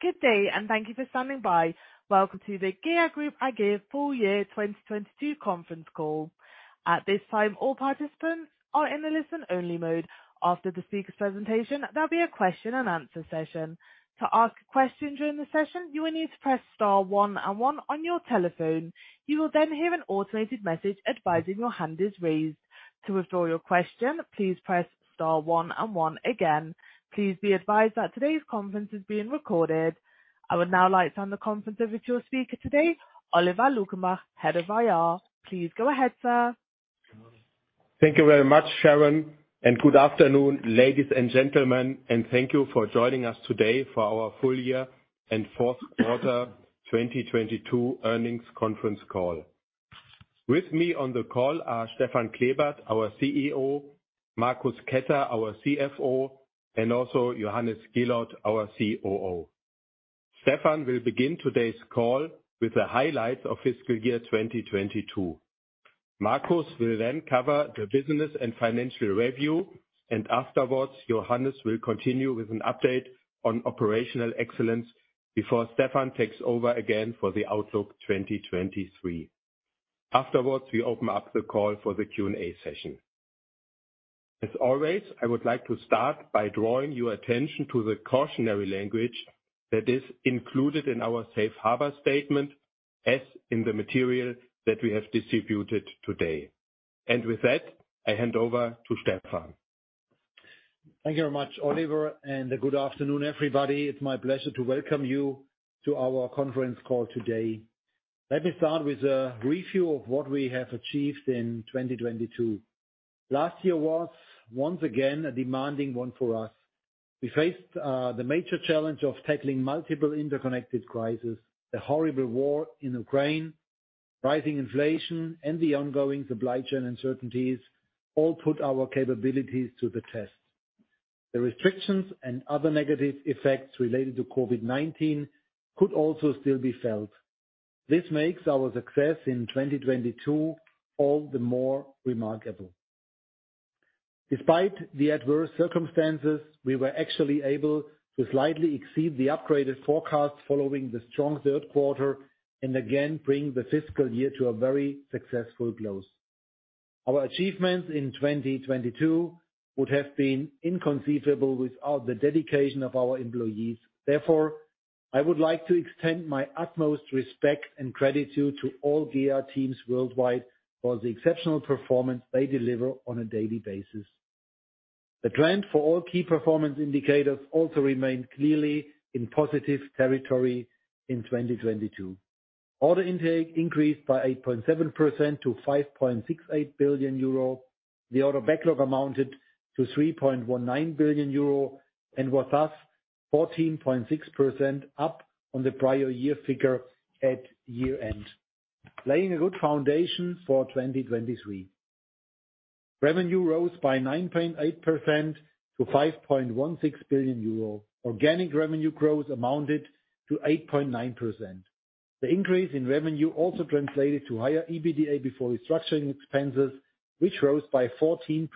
Good day, thank you for standing by. Welcome to the GEA Group Aktiengesellschaft Full Year 2022 Conference Call. At this time, all participants are in a listen-only mode. After the speaker presentation, there'll be a question and answer session. To ask a question during the session, you will need to press star one, and one on your telephone. You will then hear an automated message advising your hand is raised. To withdraw your question, please press star one, and one again. Please be advised that today's conference is being recorded. I would now like to hand the conference over to your speaker today, Oliver Luckenbach, Head of IR. Please go ahead, sir. Thank you very much, Sharon, good afternoon, ladies and gentlemen, and thank you for joining us today for our full year and fourth quarter 2022 earnings conference call. With me on the call are Stefan Klebert, our CEO, Marcus Ketter, our CFO, and also Johannes Giloth, our COO. Stefan will begin today's call with the highlights of fiscal year 2022. Marcus will then cover the business and financial review, afterwards, Johannes will continue with an update on operational excellence before Stefan takes over again for the outlook 2023. Afterwards, we open up the call for the Q&A session. As always, I would like to start by drawing your attention to the cautionary language that is included in our safe harbor statement, as in the material that we have distributed today. With that, I hand over to Stefan. Thank you very much, Oliver. Good afternoon, everybody. It's my pleasure to welcome you to our conference call today. Let me start with a review of what we have achieved in 2022. Last year was, once again, a demanding one for us. We faced the major challenge of tackling multiple interconnected crisis, the horrible war in Ukraine, rising inflation and the ongoing supply chain uncertainties all put our capabilities to the test. The restrictions and other negative effects related to COVID-19 could also still be felt. This makes our success in 2022 all the more remarkable. Despite the adverse circumstances, we were actually able to slightly exceed the upgraded forecast following the strong third quarter and again bring the fiscal year to a very successful close. Our achievements in 2022 would have been inconceivable without the dedication of our employees. I would like to extend my utmost respect and gratitude to all GEA teams worldwide for the exceptional performance they deliver on a daily basis. The trend for all key performance indicators also remained clearly in positive territory in 2022. Order intake increased by 8.7% to 5.68 billion euro. The order backlog amounted to 3.19 billion euro and was thus 14.6% up on the prior year figure at year-end, laying a good foundation for 2023. Revenue rose by 9.8% to 5.16 billion euro. Organic revenue growth amounted to 8.9%. The increase in revenue also translated to higher EBITDA before restructuring expenses, which rose by 14%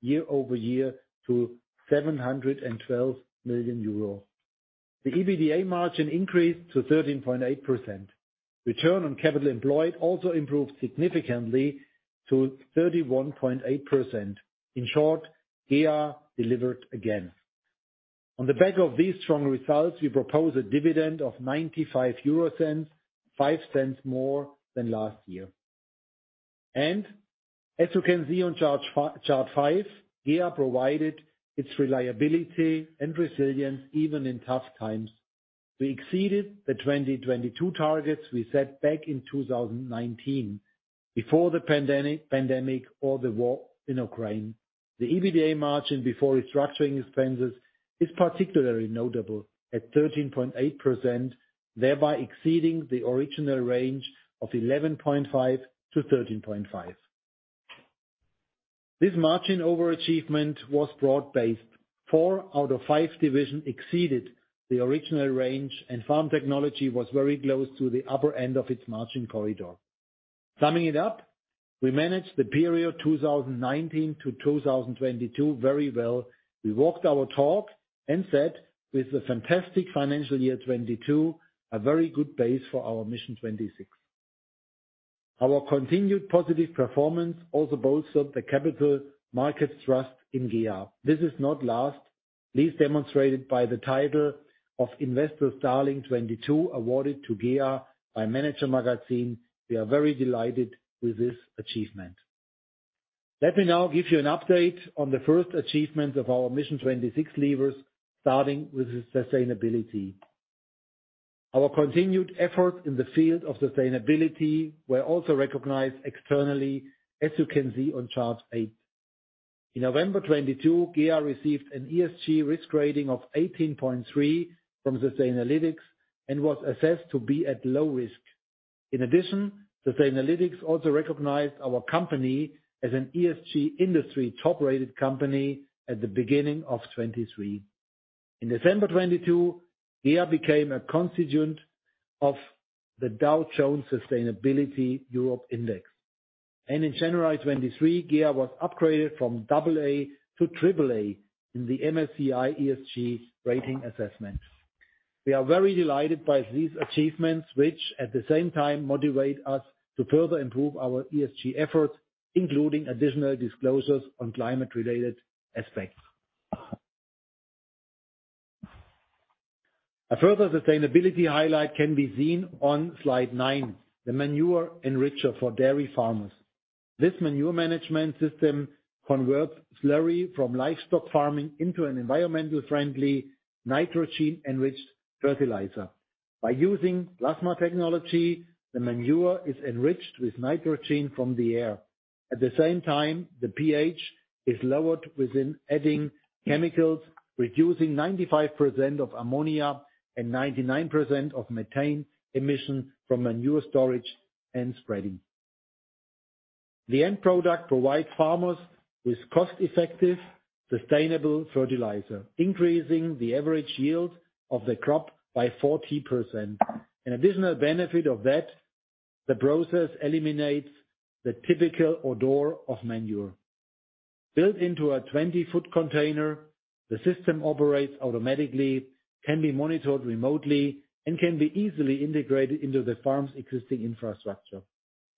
year-over-year to 712 million euro. The EBITDA margin increased to 13.8%. Return on capital employed also improved significantly to 31.8%. In short, GEA delivered again. On the back of these strong results, we propose a dividend of 0.95, 0.05 more than last year. As you can see on chart five, GEA provided its reliability and resilience even in tough times. We exceeded the 2022 targets we set back in 2019 before the pandemic or the war in Ukraine. The EBITDA margin before restructuring expenses is particularly notable at 13.8%, thereby exceeding the original range of 11.5%-13.5%. This margin overachievement was broad-based. Four out of five divisions exceeded the original range, and Farm Technologies was very close to the upper end of its margin corridor. Summing it up, we managed the period 2019-2022 very well. We walked our talk set with a fantastic financial year 2022, a very good base for our Mission 26. Our continued positive performance also bolstered the capital markets trust in GEA. This is not last, least demonstrated by the title of Investors' Darling 2022 awarded to GEA by manager magazin. We are very delighted with this achievement. Let me now give you an update on the first achievement of our Mission 26 levers, starting with sustainability. Our continued effort in the field of sustainability were also recognized externally, as you can see on chart 8. In November 2022, GEA received an ESG risk rating of 18.3 from Sustainalytics and was assessed to be at low risk. In addition, Sustainalytics also recognized our company as an ESG industry top-rated company at the beginning of 2023. In December 2022, GEA became a constituent of the Dow Jones Sustainability Europe Index. In January 2023, GEA was upgraded from AA to AAA in the MSCI ESG Rating assessment. We are very delighted by these achievements, which at the same time motivate us to further improve our ESG efforts, including additional disclosures on climate-related aspects. A further sustainability highlight can be seen on Slide 9, the manure enricher for dairy farmers. This manure management system converts slurry from livestock farming into an environmental friendly nitrogen-enriched fertilizer. By using plasma technology, the manure is enriched with nitrogen from the air. At the same time, the pH is lowered within adding chemicals, reducing 95% of ammonia and 99% of methane emissions from manure storage and spreading. The end product provide farmers with cost-effective, sustainable fertilizer, increasing the average yield of the crop by 40%. An additional benefit of that, the process eliminates the typical odor of manure. Built into a 20-foot container, the system operates automatically, can be monitored remotely, and can be easily integrated into the farm's existing infrastructure.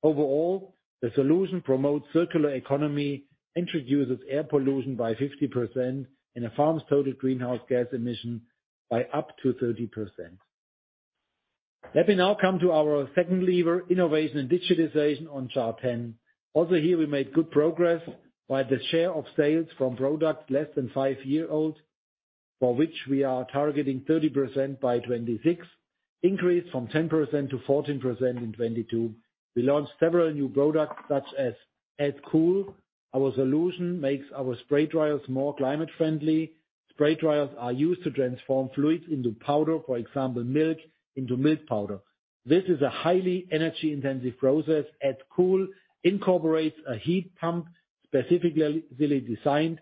Overall, the solution promotes circular economy, introduces air pollution by 50% in a farm's total greenhouse gas emission by up to 30%. Let me now come to our second lever, innovation and digitization on chart 10. Here, we made good progress by the share of sales from products less than 5 year old, for which we are targeting 30% by 2026, increased from 10% to 14% in 2022. We launched several new products such as AddCool. Our solution makes our Spray Dryers more climate friendly. Spray Dryers are used to transform fluids into powder, for example, milk into milk powder. This is a highly energy-intensive process. AddCool incorporates a heat pump specifically designed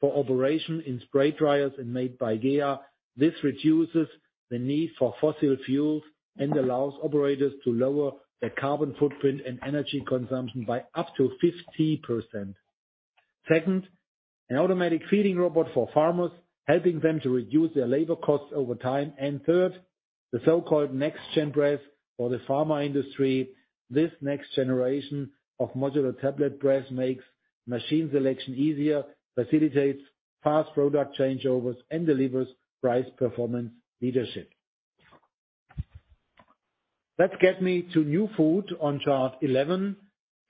for operation in Spray Dryers and made by GEA. This reduces the need for fossil fuels and allows operators to lower their carbon footprint and energy consumption by up to 50%. Second, an automatic feeding robot for farmers, helping them to reduce their labor costs over time. Third, the so-called NexGen Press for the pharma industry. This next generation of modular tablet press makes machine selection easier, facilitates fast product changeovers, and delivers price performance leadership. Let's get me to New Food on chart 11.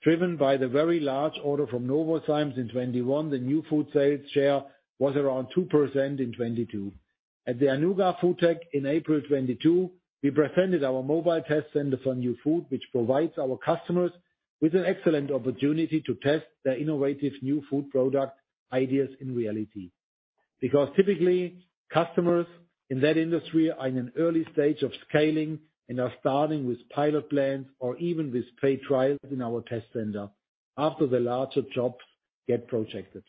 Driven by the very large order from Novozymes in 2021, the New Food sales share was around 2% in 2022. At the Anuga FoodTec in April 2022, we presented our mobile test center for New Food, which provides our customers with an excellent opportunity to test their innovative New Food product ideas in reality. Typically, customers in that industry are in an early stage of scaling and are starting with pilot plans or even with paid trials in our test center after the larger jobs get projected.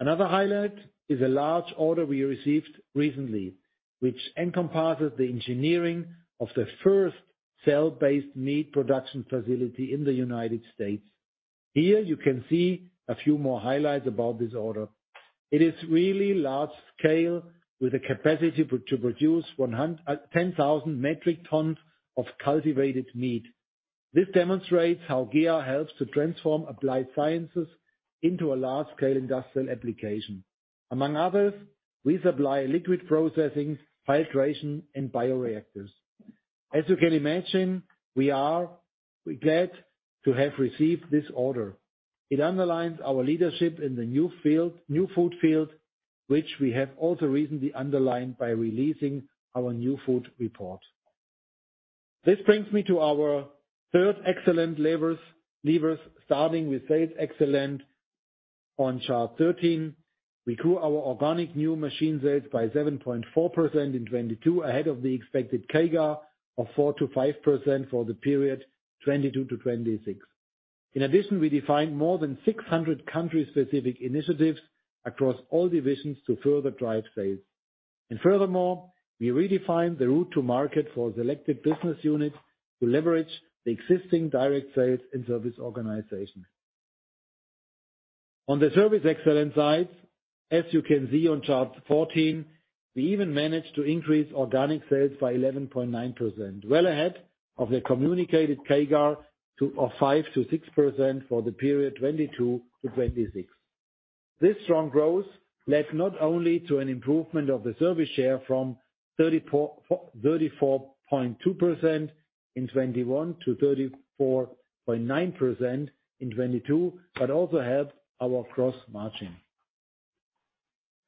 Another highlight is a large order we received recently, which encompasses the engineering of the first cell-based meat production facility in the United States. Here you can see a few more highlights about this order. It is really large scale with a capacity to produce 10,000 metric tons of cultivated meat. This demonstrates how GEA helps to transform applied sciences into a large scale industrial application. Among others, we supply liquid processing, filtration, and bioreactors. You can imagine, we are glad to have received this order. It underlines our leadership in the New Food field, which we have also recently underlined by releasing our New Food report. This brings me to our third excellent levers starting with sales excellence on chart 13. We grew our organic new machine sales by 7.4% in 2022, ahead of the expected CAGR of 4%-5% for the period 2022-2026. In addition, we defined more than 600 country-specific initiatives across all divisions to further drive sales. Furthermore, we redefined the route to market for selected business units to leverage the existing direct sales and service organization. On the service excellence side, as you can see on chart 14, we even managed to increase organic sales by 11.9%, well ahead of the communicated CAGR to, of 5%-6% for the period 2022-2026. This strong growth led not only to an improvement of the service share from 34.2% in 2021 to 34.9% in 2022, but also helped our gross margin.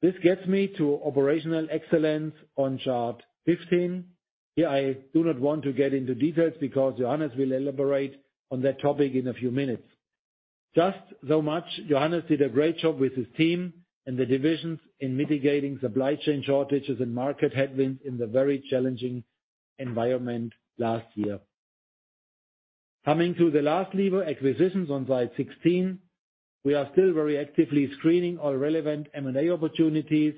This gets me to operational excellence on chart 15. Here I do not want to get into details because Johannes will elaborate on that topic in a few minutes. Just so much, Johannes did a great job with his team and the divisions in mitigating supply chain shortages and market headwinds in the very challenging environment last year. Coming to the last lever, acquisitions on Slide 16. We are still very actively screening all relevant M&A opportunities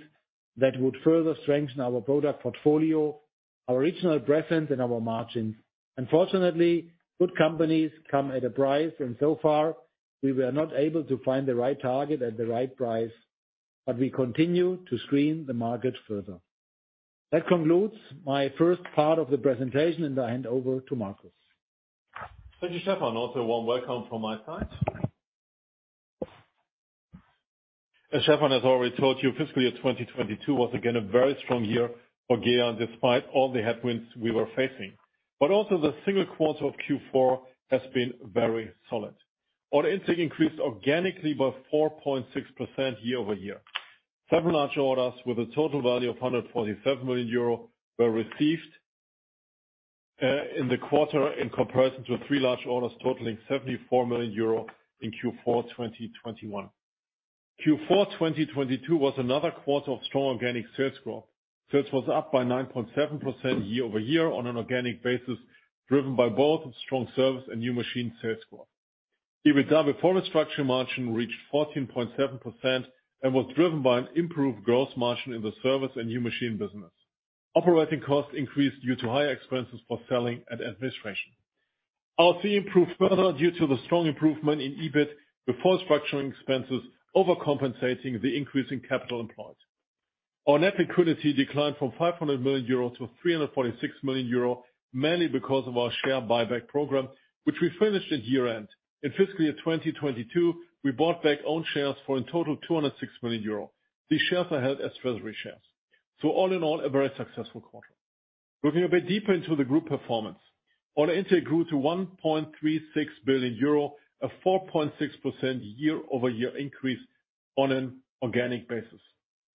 that would further strengthen our product portfolio, our regional presence and our margins. Unfortunately, good companies come at a price. So far, we were not able to find the right target at the right price. We continue to screen the market further. That concludes my first part of the presentation. I hand over to Marcus. Thank you, Stefan. Warm welcome from my side. As Stefan has already told you, fiscal year 2022 was again a very strong year for GEA despite all the headwinds we were facing. The single quarter of Q4 has been very solid. Order intake increased organically by 4.6% year-over-year. Several large orders with a total value of 147 million euro were received in the quarter in comparison to 3 large orders totaling 74 million euro in Q4 2021. Q4 2022 was another quarter of strong organic sales growth. Sales was up by 9.7% year-over-year on an organic basis, driven by both strong service and new machine sales growth. EBITDA before restructuring margin reached 14.7% and was driven by an improved gross margin in the service and new machine business. Operating costs increased due to higher expenses for selling and administration. RC improved further due to the strong improvement in EBIT before structuring expenses over-compensating the increase in capital employed. Our net liquidity declined from 500 million euro to 346 million euro, mainly because of our share buyback program, which we finished at year-end. In fiscal year 2022, we bought back own shares for a total 206 million euro. These shares are held as treasury shares. All in all, a very successful quarter. Looking a bit deeper into the group performance. Order intake grew to 1.36 billion euro, a 4.6% year-over-year increase on an organic basis.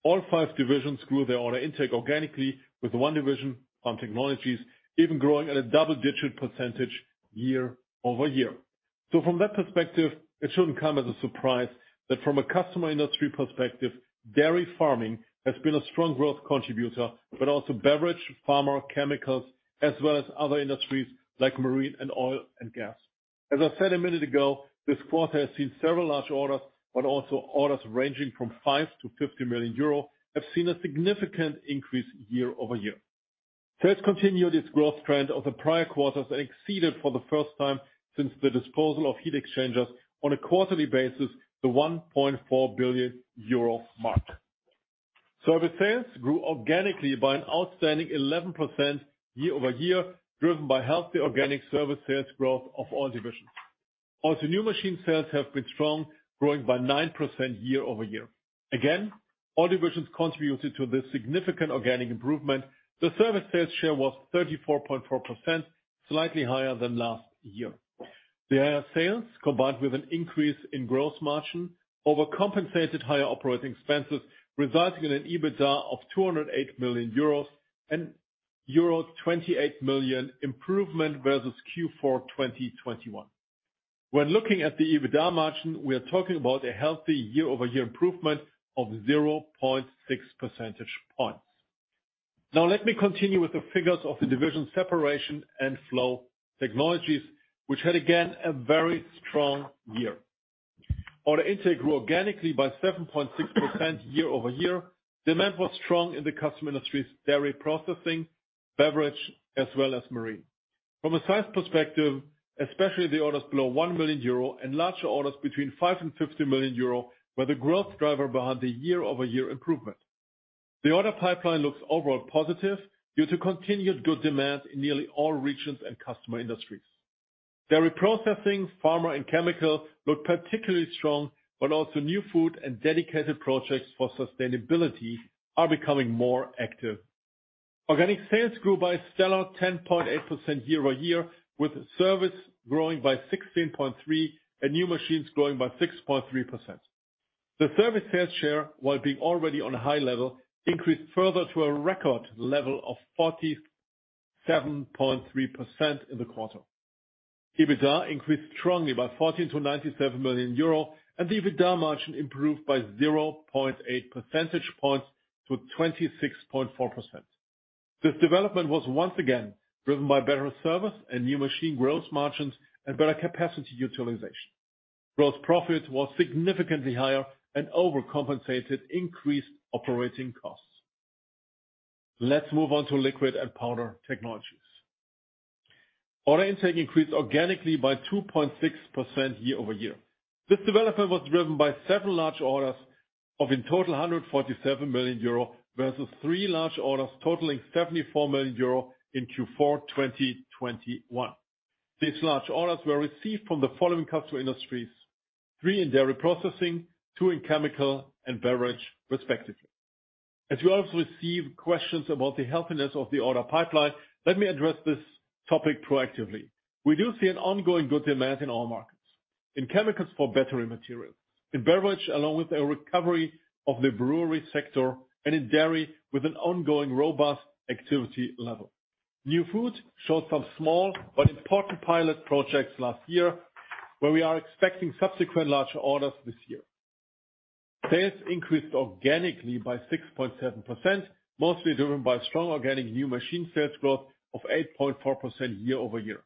All five divisions grew their order intake organically with one division, on Technologies, even growing at a double-digit % year-over-year. From that perspective, it shouldn't come as a surprise that from a customer industry perspective, dairy farming has been a strong growth contributor, but also beverage, pharma, chemicals, as well as other industries like marine and oil and gas. I said a minute ago, this quarter has seen several large orders, but also orders ranging from 5 million-50 million euro have seen a significant increase year-over-year. Sales continued its growth trend of the prior quarters and exceeded for the first time since the disposal of Heat Exchangers on a quarterly basis, the 1.4 billion euro mark. Service sales grew organically by an outstanding 11% year-over-year, driven by healthy organic service sales growth of all divisions. New machine sales have been strong, growing by 9% year-over-year. All divisions contributed to this significant organic improvement. The service sales share was 34.4%, slightly higher than last year. The higher sales, combined with an increase in gross margin, overcompensated higher operating expenses, resulting in an EBITDA of 208 million euros and euro 28 million improvement versus Q4 2021. When looking at the EBITDA margin, we are talking about a healthy year-over-year improvement of 0.6 percentage points. Let me continue with the figures of the Division Separation & Flow Technologies, which had again, a very strong year. Order intake grew organically by 7.6% year-over-year. Demand was strong in the custom industries, dairy processing, beverage, as well as marine. From a size perspective, especially the orders below 1 million euro and larger orders between 5 million and 50 million euro were the growth driver behind the year-over-year improvement. The order pipeline looks overall positive due to continued good demand in nearly all regions and customer industries. Dairy processing, Pharma, and chemical look particularly strong, but also New Food and dedicated projects for sustainability are becoming more active. Organic sales grew by a stellar 10.8% year-over-year, with service growing by 16.3% and new machines growing by 6.3%. The service sales share, while being already on a high level, increased further to a record level of 47.3% in the quarter. EBITDA increased strongly by 14 million to 97 million euro and the EBITDA margin improved by 0.8 percentage points to 26.4%. This development was once again driven by better service and new machine growth margins and better capacity utilization. Gross profit was significantly higher and overcompensated increased operating costs. Let's move on to Liquid and Powder Technologies. Order intake increased organically by 2.6% year-over-year. This development was driven by several large orders of in total 147 million euro, versus 3 large orders totaling 74 million euro in Q4 2021. These large orders were received from the following customer industries: 3 in dairy processing, 2 in chemical and beverage respectively. As you also receive questions about the healthiness of the order pipeline, let me address this topic proactively. We do see an ongoing good demand in all markets. In chemicals for battery material, in beverage along with a recovery of the brewery sector, and in dairy with an ongoing robust activity level. New Food showed some small but important pilot projects last year, where we are expecting subsequent larger orders this year. Sales increased organically by 6.7%, mostly driven by strong organic new machine sales growth of 8.4% year-over-year.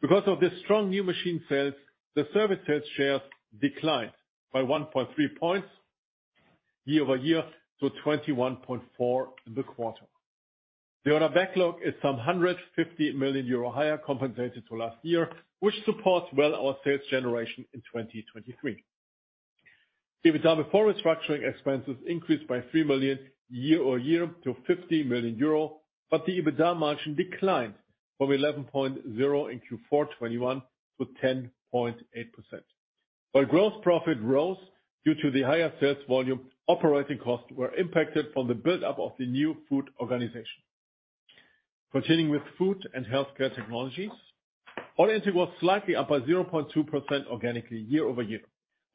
Because of the strong new machine sales, the service sales shares declined by 1.3 points year-over-year to 21.4 in the quarter. The order backlog is some 150 million euro higher compensated to last year, which supports well our sales generation in 2023. EBITDA before restructuring expenses increased by 3 million year-over-year to 50 million euro, but the EBITDA margin declined from 11.0 in Q4 2021 to 10.8%. While gross profit rose due to the higher sales volume, operating costs were impacted from the build-up of the New Food organization. Continuing with Food & Healthcare Technologies. Order intake was slightly up by 0.2% organically year-over-year.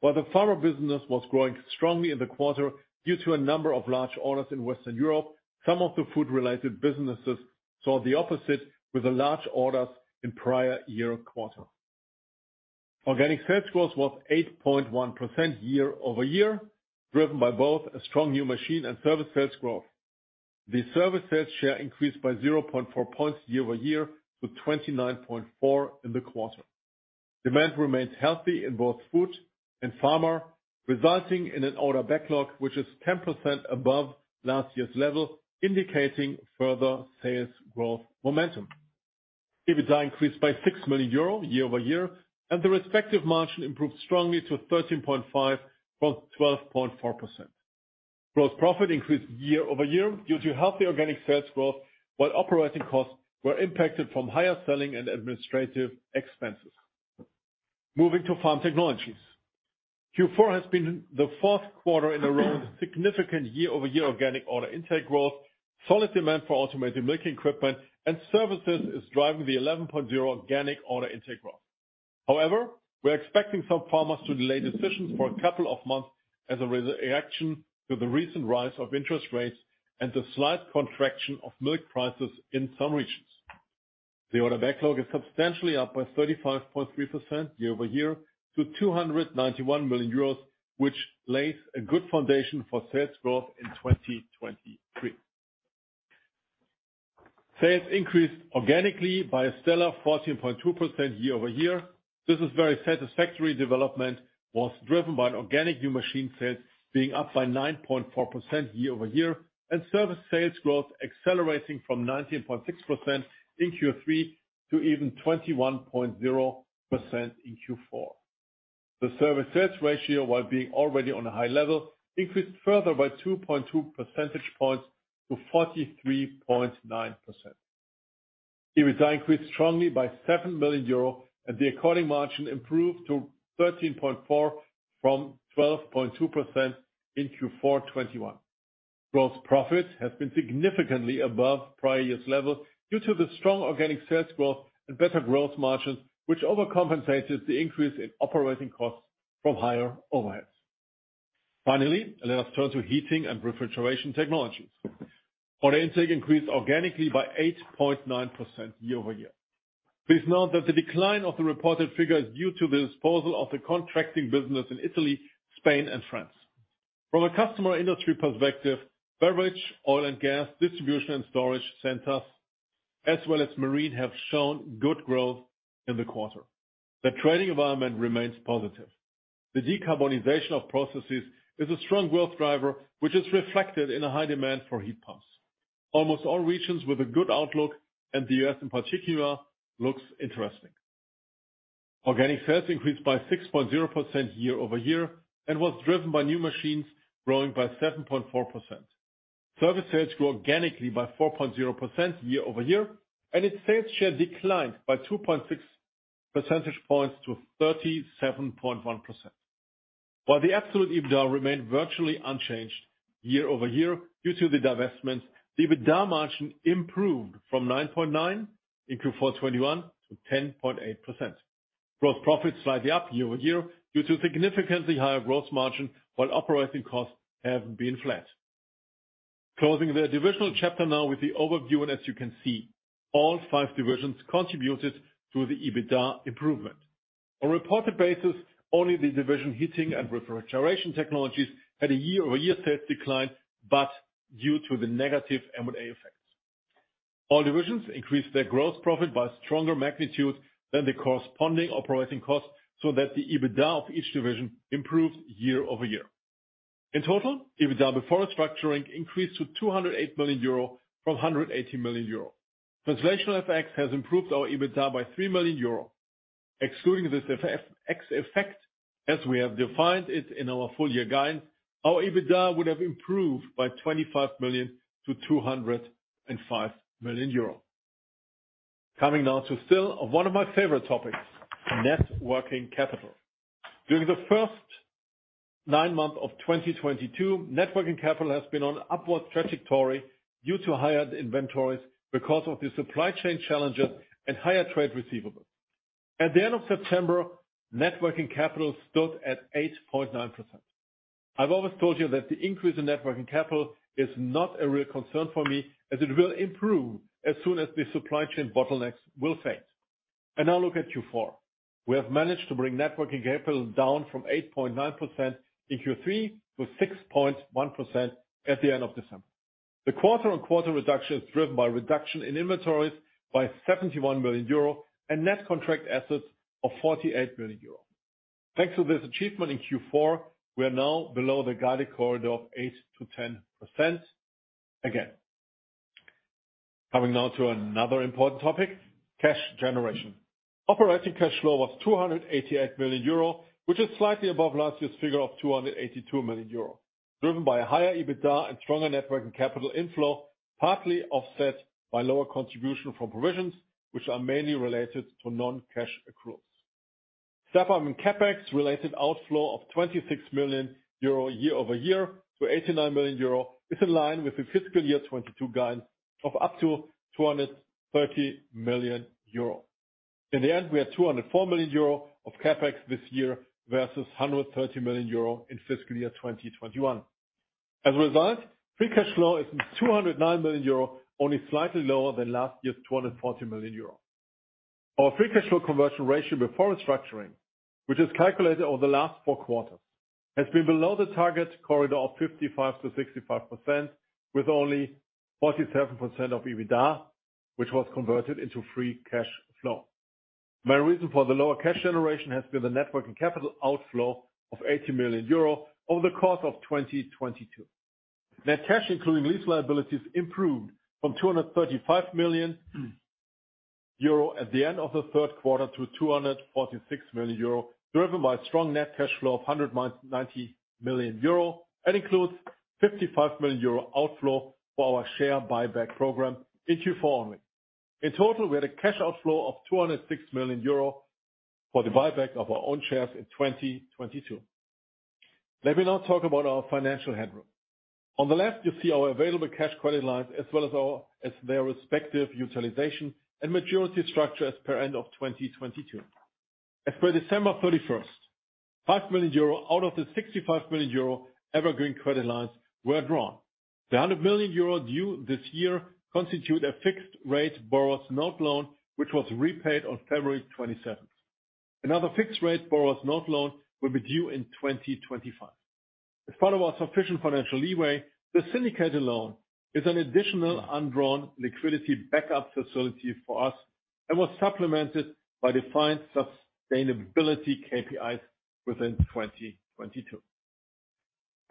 While the Farmer business was growing strongly in the quarter due to a number of large orders in Western Europe, some of the food-related businesses saw the opposite with the large orders in prior year quarter. Organic sales growth was 8.1% year-over-year, driven by both a strong new machine and service sales growth. The service sales share increased by 0.4 points year-over-year to 29.4% in the quarter. Demand remains healthy in both food and pharma, resulting in an order backlog which is 10% above last year's level, indicating further sales growth momentum. EBITDA increased by 6 million euro year-over-year, and the respective margin improved strongly to 13.5% from 12.4%. Gross profit increased year-over-year due to healthy organic sales growth, while operating costs were impacted from higher selling and administrative expenses. Moving to Farm Technologies. Q4 has been the fourth quarter in a row with significant year-over-year organic order intake growth. Solid demand for automated milking equipment and services is driving the 11.0 organic order intake growth. We're expecting some farmers to delay decisions for a couple of months as a reaction to the recent rise of interest rates and the slight contraction of milk prices in some regions. The order backlog is substantially up by 35.3% year-over-year to 291 million euros, which lays a good foundation for sales growth in 2023. Sales increased organically by a stellar 14.2% year-over-year. This is very satisfactory development was driven by an organic new machine sales being up by 9.4% year-over-year and service sales growth accelerating from 19.6% in Q3 to even 21.0% in Q4. The service sales ratio, while being already on a high level, increased further by 2.2 percentage points to 43.9%. EBITDA increased strongly by 7 million euro, and the according margin improved to 13.4% from 12.2% in Q4 2021. Gross profit has been significantly above prior year's level due to the strong organic sales growth and better growth margins, which overcompensates the increase in operating costs from higher overheads. Finally, let us turn to Heating & Refrigeration Technologies. Order intake increased organically by 8.9% year-over-year. Please note that the decline of the reported figure is due to the disposal of the contracting business in Italy, Spain, and France. From a customer industry perspective, beverage, oil and gas, distribution and storage centers, as well as marine, have shown good growth in the quarter. The trading environment remains positive. The decarbonization of processes is a strong growth driver, which is reflected in a high demand for heat pumps. Almost all regions with a good outlook, and the U.S. in particular, looks interesting. Organic sales increased by 6.0% year-over-year and was driven by new machines growing by 7.4%. Service sales grew organically by 4.0% year-over-year, and its sales share declined by 2.6 percentage points to 37.1%. The absolute EBITDA remained virtually unchanged year-over-year due to the divestments, the EBITDA margin improved from 9.9% in Q4 2021 to 10.8%. Gross profit slightly up year-over-year due to significantly higher gross margin, while operating costs have been flat. Closing the divisional chapter now with the overview, as you can see, all five divisions contributed to the EBITDA improvement. On a reported basis, only the division Heating & Refrigeration Technologies had a year-over-year sales decline, but due to the negative M&A effects. All divisions increased their gross profit by a stronger magnitude than the corresponding operating costs so that the EBITDA of each division improved year-over-year. In total, EBITDA before restructuring increased to 208 million euro from 180 million euro. Translational FX has improved our EBITDA by 3 million euro. Excluding this ex effect, as we have defined it in our full year guide, our EBITDA would have improved by 25 million-205 million euro. Coming now to still one of my favorite topics, net working capital. During the first 9 months of 2022, net working capital has been on upward trajectory due to higher inventories because of the supply chain challenges and higher trade receivables. At the end of September, net working capital stood at 8.9%. I've always told you that the increase in net working capital is not a real concern for me, as it will improve as soon as the supply chain bottlenecks will fade. Now look at Q4. We have managed to bring net working capital down from 8.9% in Q3 to 6.1% at the end of December. The quarter-on-quarter reduction is driven by reduction in inventories by 71 million euro and net contract assets of 48 million euro. Thanks to this achievement in Q4, we are now below the guided corridor of 8%-10% again. Coming now to another important topic, cash generation. Operating cash flow was 288 million euro, which is slightly above last year's figure of 282 million euro, driven by a higher EBITDA and stronger net working capital inflow, partly offset by lower contribution from provisions which are mainly related to non-cash accruals. SAP on CapEx related outflow of 26 million euro year-over-year to 89 million euro is in line with the fiscal year 2022 guidance of up to 230 million euro. In the end, we had 204 million euro of CapEx this year versus 130 million euro in fiscal year 2021. As a result, free cash flow is 209 million euro, only slightly lower than last year's 240 million euro. Our free cash flow conversion ratio before restructuring, which is calculated over the last four quarters, has been below the target corridor of 55%-65%, with only 47% of EBITDA, which was converted into free cash flow. My reason for the lower cash generation has been the net working capital outflow of 80 million euro over the course of 2022. Net cash, including lease liabilities, improved from 235 million euro at the end of the third quarter to 246 million euro, driven by strong net cash flow of 190 million euro, and includes 55 million euro outflow for our share buyback program in Q4 only. In total, we had a cash outflow of 206 million euro for the buyback of our own shares in 2022. Let me now talk about our financial headroom. On the left, you see our available cash credit lines as well as their respective utilization and maturity structure as per end of 2022. As per December 31st, 5 million euro out of the 65 million euro evergreen credit lines were drawn. The 100 million euro due this year constitute a fixed rate borrower's note loan, which was repaid on February 27th. Another fixed rate borrower's note loan will be due in 2025. As part of our sufficient financial leeway, the syndicated loan is an additional undrawn liquidity backup facility for us and was supplemented by defined sustainability KPIs within 2022.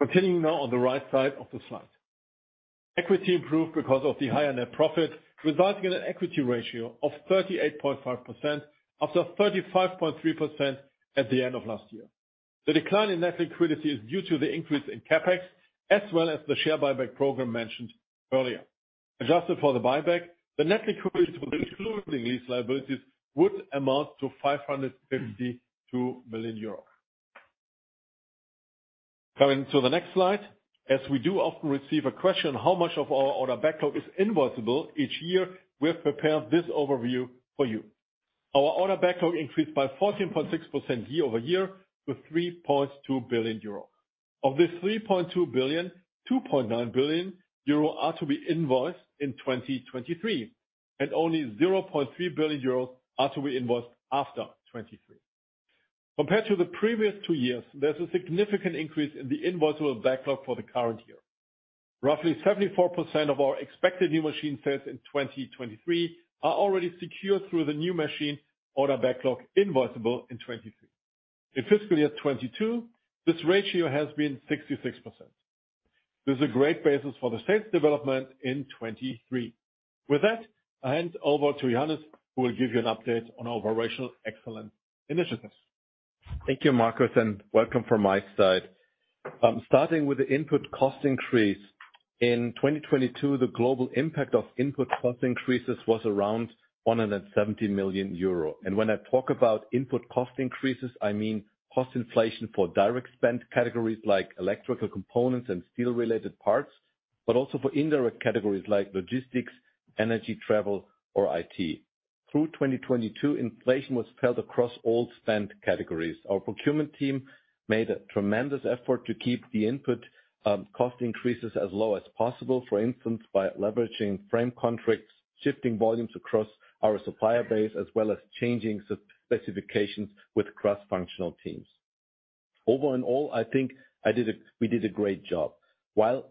Continuing now on the right side of the slide. Equity improved because of the higher net profit, resulting in an equity ratio of 38.5% after 35.3% at the end of last year. The decline in net liquidity is due to the increase in CapEx as well as the share buyback program mentioned earlier. Adjusted for the buyback, the net liquidity, including these liabilities, would amount to 552 million euros. Coming to the next slide. As we do often receive a question, how much of our order backlog is invoiceable each year, we have prepared this overview for you. Our order backlog increased by 14.6% year-over-year to 3.2 billion euro. Of this 3.2 billion, 2.9 billion euro are to be invoiced in 2023, and only 0.3 billion euros are to be invoiced after 2023. Compared to the previous two years, there's a significant increase in the invoiceable backlog for the current year. Roughly 74% of our expected new machine sales in 2023 are already secured through the new machine order backlog invoiceable in 2023. In fiscal year 2022, this ratio has been 66%. This is a great basis for the sales development in 2023. With that, I hand over to Johannes, who will give you an update on our operational excellence initiatives. Thank you, Marcus, welcome from my side. Starting with the input cost increase. In 2022, the global impact of input cost increases was around 170 million euro. When I talk about input cost increases, I mean cost inflation for direct spend categories like electrical components and steel-related parts, but also for indirect categories like logistics, energy, travel, or IT. Through 2022, inflation was felt across all spend categories. Our procurement team made a tremendous effort to keep the input cost increases as low as possible. For instance, by leveraging frame contracts, shifting volumes across our supplier base, as well as changing specifications with cross-functional teams. Overall, I think we did a great job. While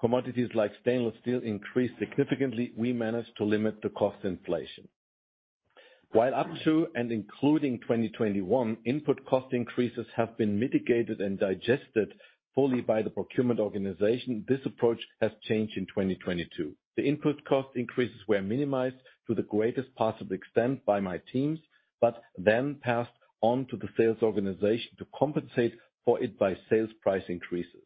commodities like stainless steel increased significantly, we managed to limit the cost inflation. While up to and including 2021, input cost increases have been mitigated and digested fully by the procurement organization, this approach has changed in 2022. The input cost increases were minimized to the greatest possible extent by my teams, but then passed on to the sales organization to compensate for it by sales price increases.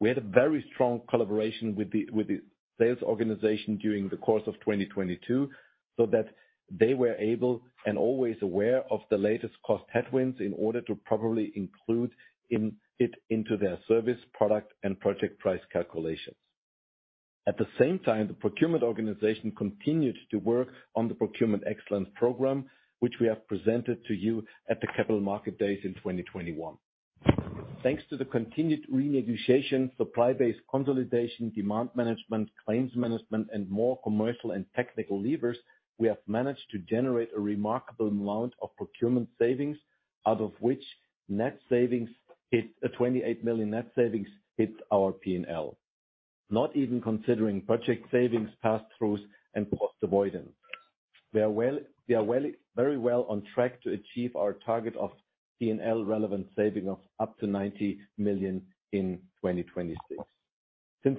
We had a very strong collaboration with the sales organization during the course of 2022, so that they were able and always aware of the latest cost headwinds in order to properly include in it into their service, product and project price calculations. At the same time, the procurement organization continued to work on the procurement excellence program, which we have presented to you at the Capital Market Day in 2021. Thanks to the continued renegotiation, supply-based consolidation, demand management, claims management, and more commercial and technical levers, we have managed to generate a remarkable amount of procurement savings out of which 28 million net savings hit our P&L, not even considering budget savings, passthroughs, and cost avoidance. We are very well on track to achieve our target of P&L relevant saving of up to 90 million in 2026.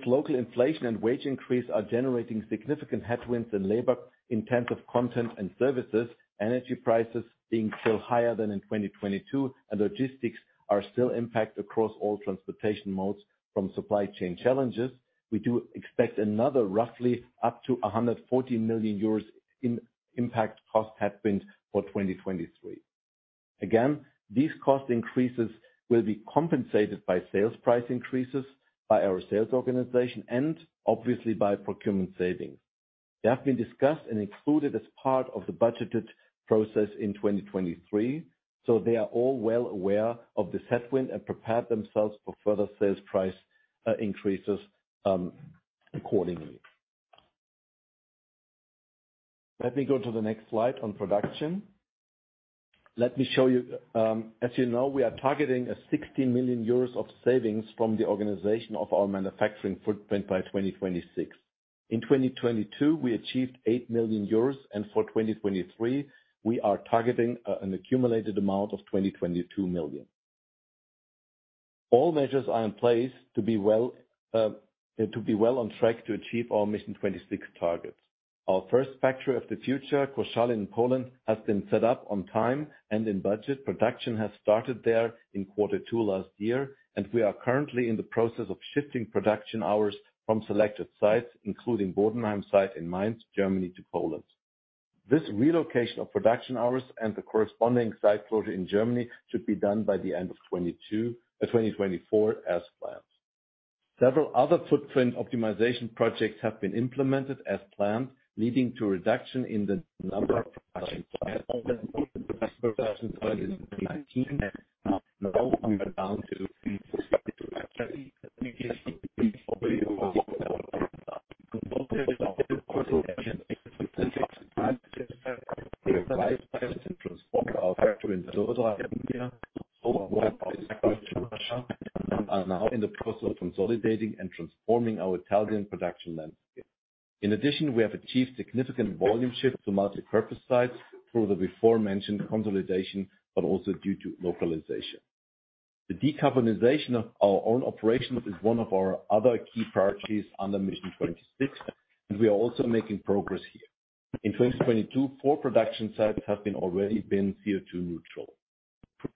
Local inflation and wage increase are generating significant headwinds in labor-intensive content and services, energy prices being still higher than in 2022, and logistics are still impact across all transportation modes from supply chain challenges, we do expect another roughly up to 140 million euros in impact cost headwind for 2023. These cost increases will be compensated by sales price increases by our sales organization and obviously by procurement savings. They have been discussed and included as part of the budgeted process in 2023, they are all well aware of this headwind and prepared themselves for further sales price increases accordingly. Let me go to the next slide on production. Let me show you, as you know, we are targeting 60 million euros of savings from the organization of our manufacturing footprint by 2026. In 2022, we achieved 8 million euros. For 2023, we are targeting an accumulated amount of 22 million. All measures are in place to be well on track to achieve our Mission 26 targets. Our first Factory of the Future, Koszalin in Poland, has been set up on time and in budget. Production has started there in quarter two last year. We are currently in the process of shifting production hours from selected sites, including Bodenheim site in Mainz, Germany to Poland. This relocation of production hours and the corresponding site closure in Germany should be done by the end of 2024 as planned. Several other footprint optimization projects have been implemented as planned, leading to a reduction in the number of production sites. Are now in the process of consolidating and transforming our Italian production landscape. We have achieved significant volume shift to multipurpose sites through the beforementioned consolidation, but also due to localization. The decarbonization of our own operations is one of our other key priorities under Mission 26, and we are also making progress here. In 2022, 4 production sites have already been CO₂ neutral.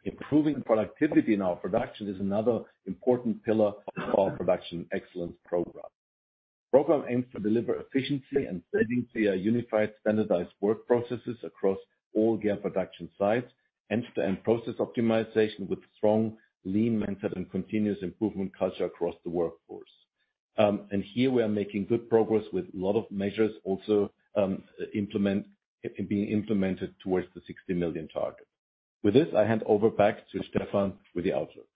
Improving productivity in our production is another important pillar of our production excellence program. Program aims to deliver efficiency and savings via unified standardized work processes across all GEA production sites, end-to-end process optimization with strong lean mindset and continuous improvement culture across the workforce. Here we are making good progress with a lot of measures also being implemented towards the 60 million target. With this, I hand over back to Stefan with the outlook.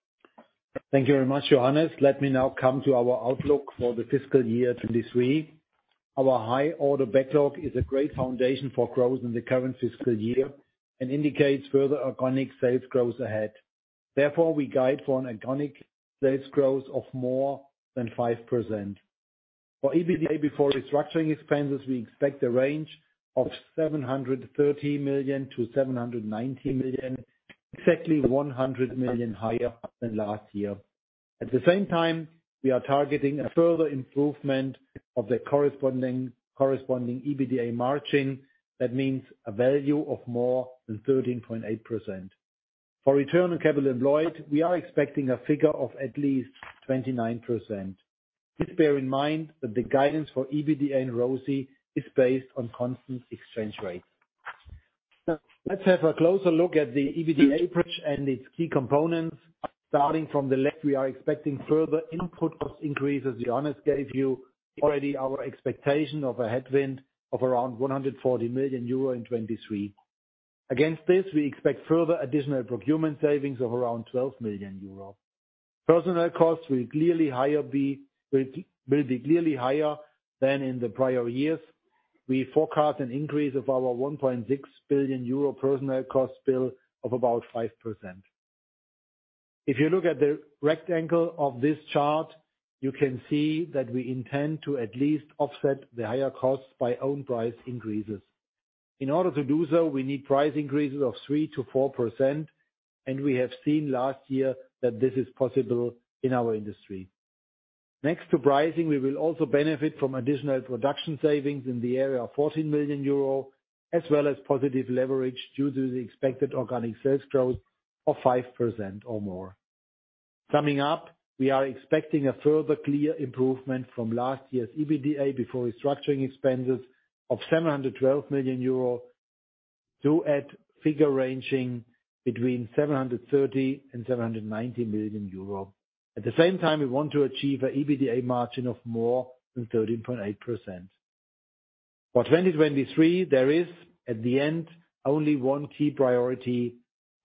Thank you very much, Johannes. Let me now come to our outlook for the fiscal year 2023. Our high order backlog is a great foundation for growth in the current fiscal year and indicates further organic sales growth ahead. We guide for an organic sales growth of more than 5%. For EBITDA before restructuring expenses, we expect a range of 730 million-790 million, exactly 100 million higher than last year. At the same time, we are targeting a further improvement of the corresponding EBITDA margin. That means a value of more than 13.8%. For return on capital employed, we are expecting a figure of at least 29%. Please bear in mind that the guidance for EBITDA and ROCE is based on constant exchange rates. Let's have a closer look at the EBITDA approach and its key components. Starting from the left, we are expecting further input cost increases. Johannes gave you already our expectation of a headwind of around 140 million euro in 2023. Against this, we expect further additional procurement savings of around 12 million euros. Personnel costs will be clearly higher than in the prior years. We forecast an increase of our 1.6 billion euro personnel cost bill of about 5%. If you look at the rectangle of this chart, you can see that we intend to at least offset the higher costs by own price increases. In order to do so, we need price increases of 3%-4%, we have seen last year that this is possible in our industry. Next to pricing, we will also benefit from additional production savings in the area of 14 million euro, as well as positive leverage due to the expected organic sales growth of 5% or more. Summing up, we are expecting a further clear improvement from last year's EBITDA before restructuring expenses of 712 million euro to a figure ranging between 730 million and 790 million euro. At the same time, we want to achieve an EBITDA margin of more than 13.8%. For 2023, there is, at the end, only one key priority,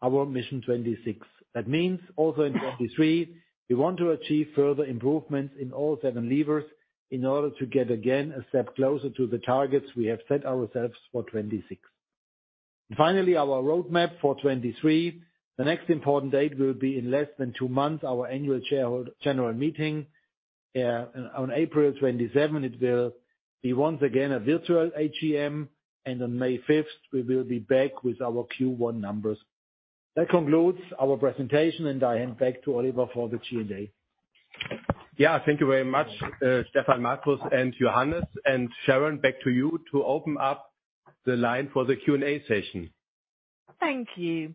our Mission 26. That means also in 2023, we want to achieve further improvements in all seven levers in order to get again a step closer to the targets we have set ourselves for 2026. Finally, our roadmap for 2023. The next important date will be in less than 2 months, our Annual General Meeting on April 27. It will be once again a virtual AGM. On May 5th, we will be back with our Q1 numbers. That concludes our presentation. I hand back to Oliver for the Q&A. Yeah, thank you very much, Stefan, Marcus, and Johannes. Sharon, back to you to open up the line for the Q&A session. Thank you.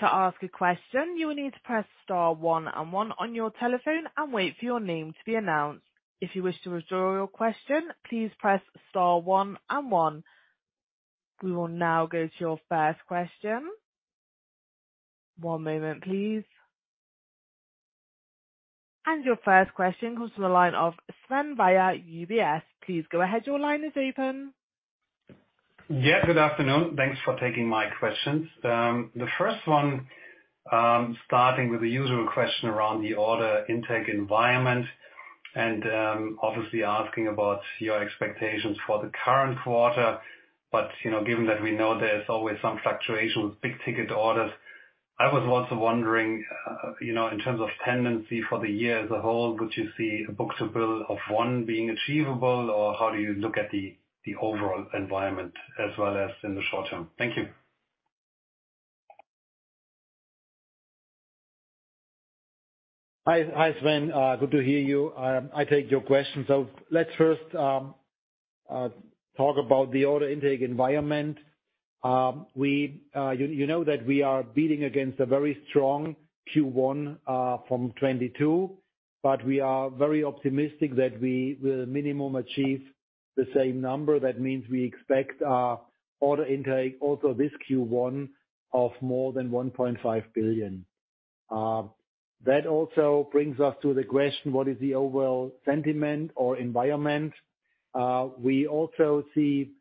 To ask a question, you will need to press star one and one on your telephone and wait for your name to be announced. If you wish to withdraw your question, please press star one and one. We will now go to your first question. One moment, please. Your first question comes from the line of Sven Weier, UBS. Please go ahead. Your line is open. Yeah, good afternoon. Thanks for taking my questions. The first one, starting with the usual question around the order intake environment and obviously asking about your expectations for the current quarter. You know, given that we know there's always some fluctuation with big-ticket orders, I was also wondering, you know, in terms of tendency for the year as a whole, would you see a book-to-bill of one being achievable, or how do you look at the overall environment as well as in the short term? Thank you. Hi. Hi, Sven. Good to hear you. I take your question. Let's first talk about the order intake environment. We, you know that we are beating against a very strong Q1 from 2022, but we are very optimistic that we will minimum achieve the same number. That means we expect our order intake also this Q1 of more than 1.5 billion. That also brings us to the question, what is the overall sentiment or environment? We also see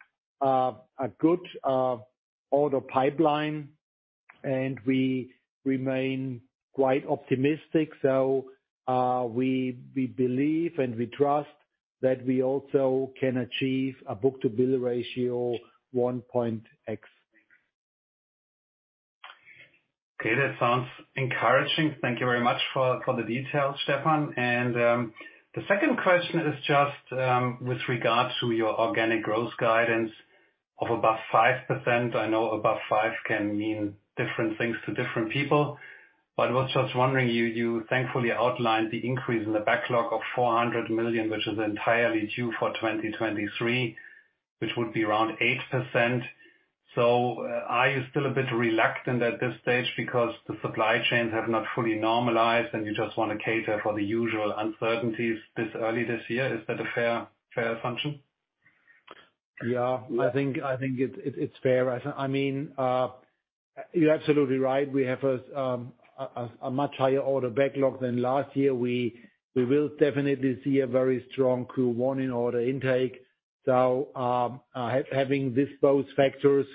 a good order pipeline, and we remain quite optimistic. We believe and we trust that we also can achieve a book-to-bill ratio 1.x. Okay. That sounds encouraging. Thank you very much for the details, Stefan. The second question is just, with regards to your organic growth guidance of above 5%. I know above five can mean different things to different people, but I was just wondering, you thankfully outlined the increase in the backlog of 400 million, which is entirely due for 2023, which would be around 8%. Are you still a bit reluctant at this stage because the supply chains have not fully normalized and you just want to cater for the usual uncertainties this early this year? Is that a fair assumption? Yeah. I think it's fair. I mean, you're absolutely right. We have a much higher order backlog than last year. We will definitely see a very strong Q1 in order intake. Having this, those factors,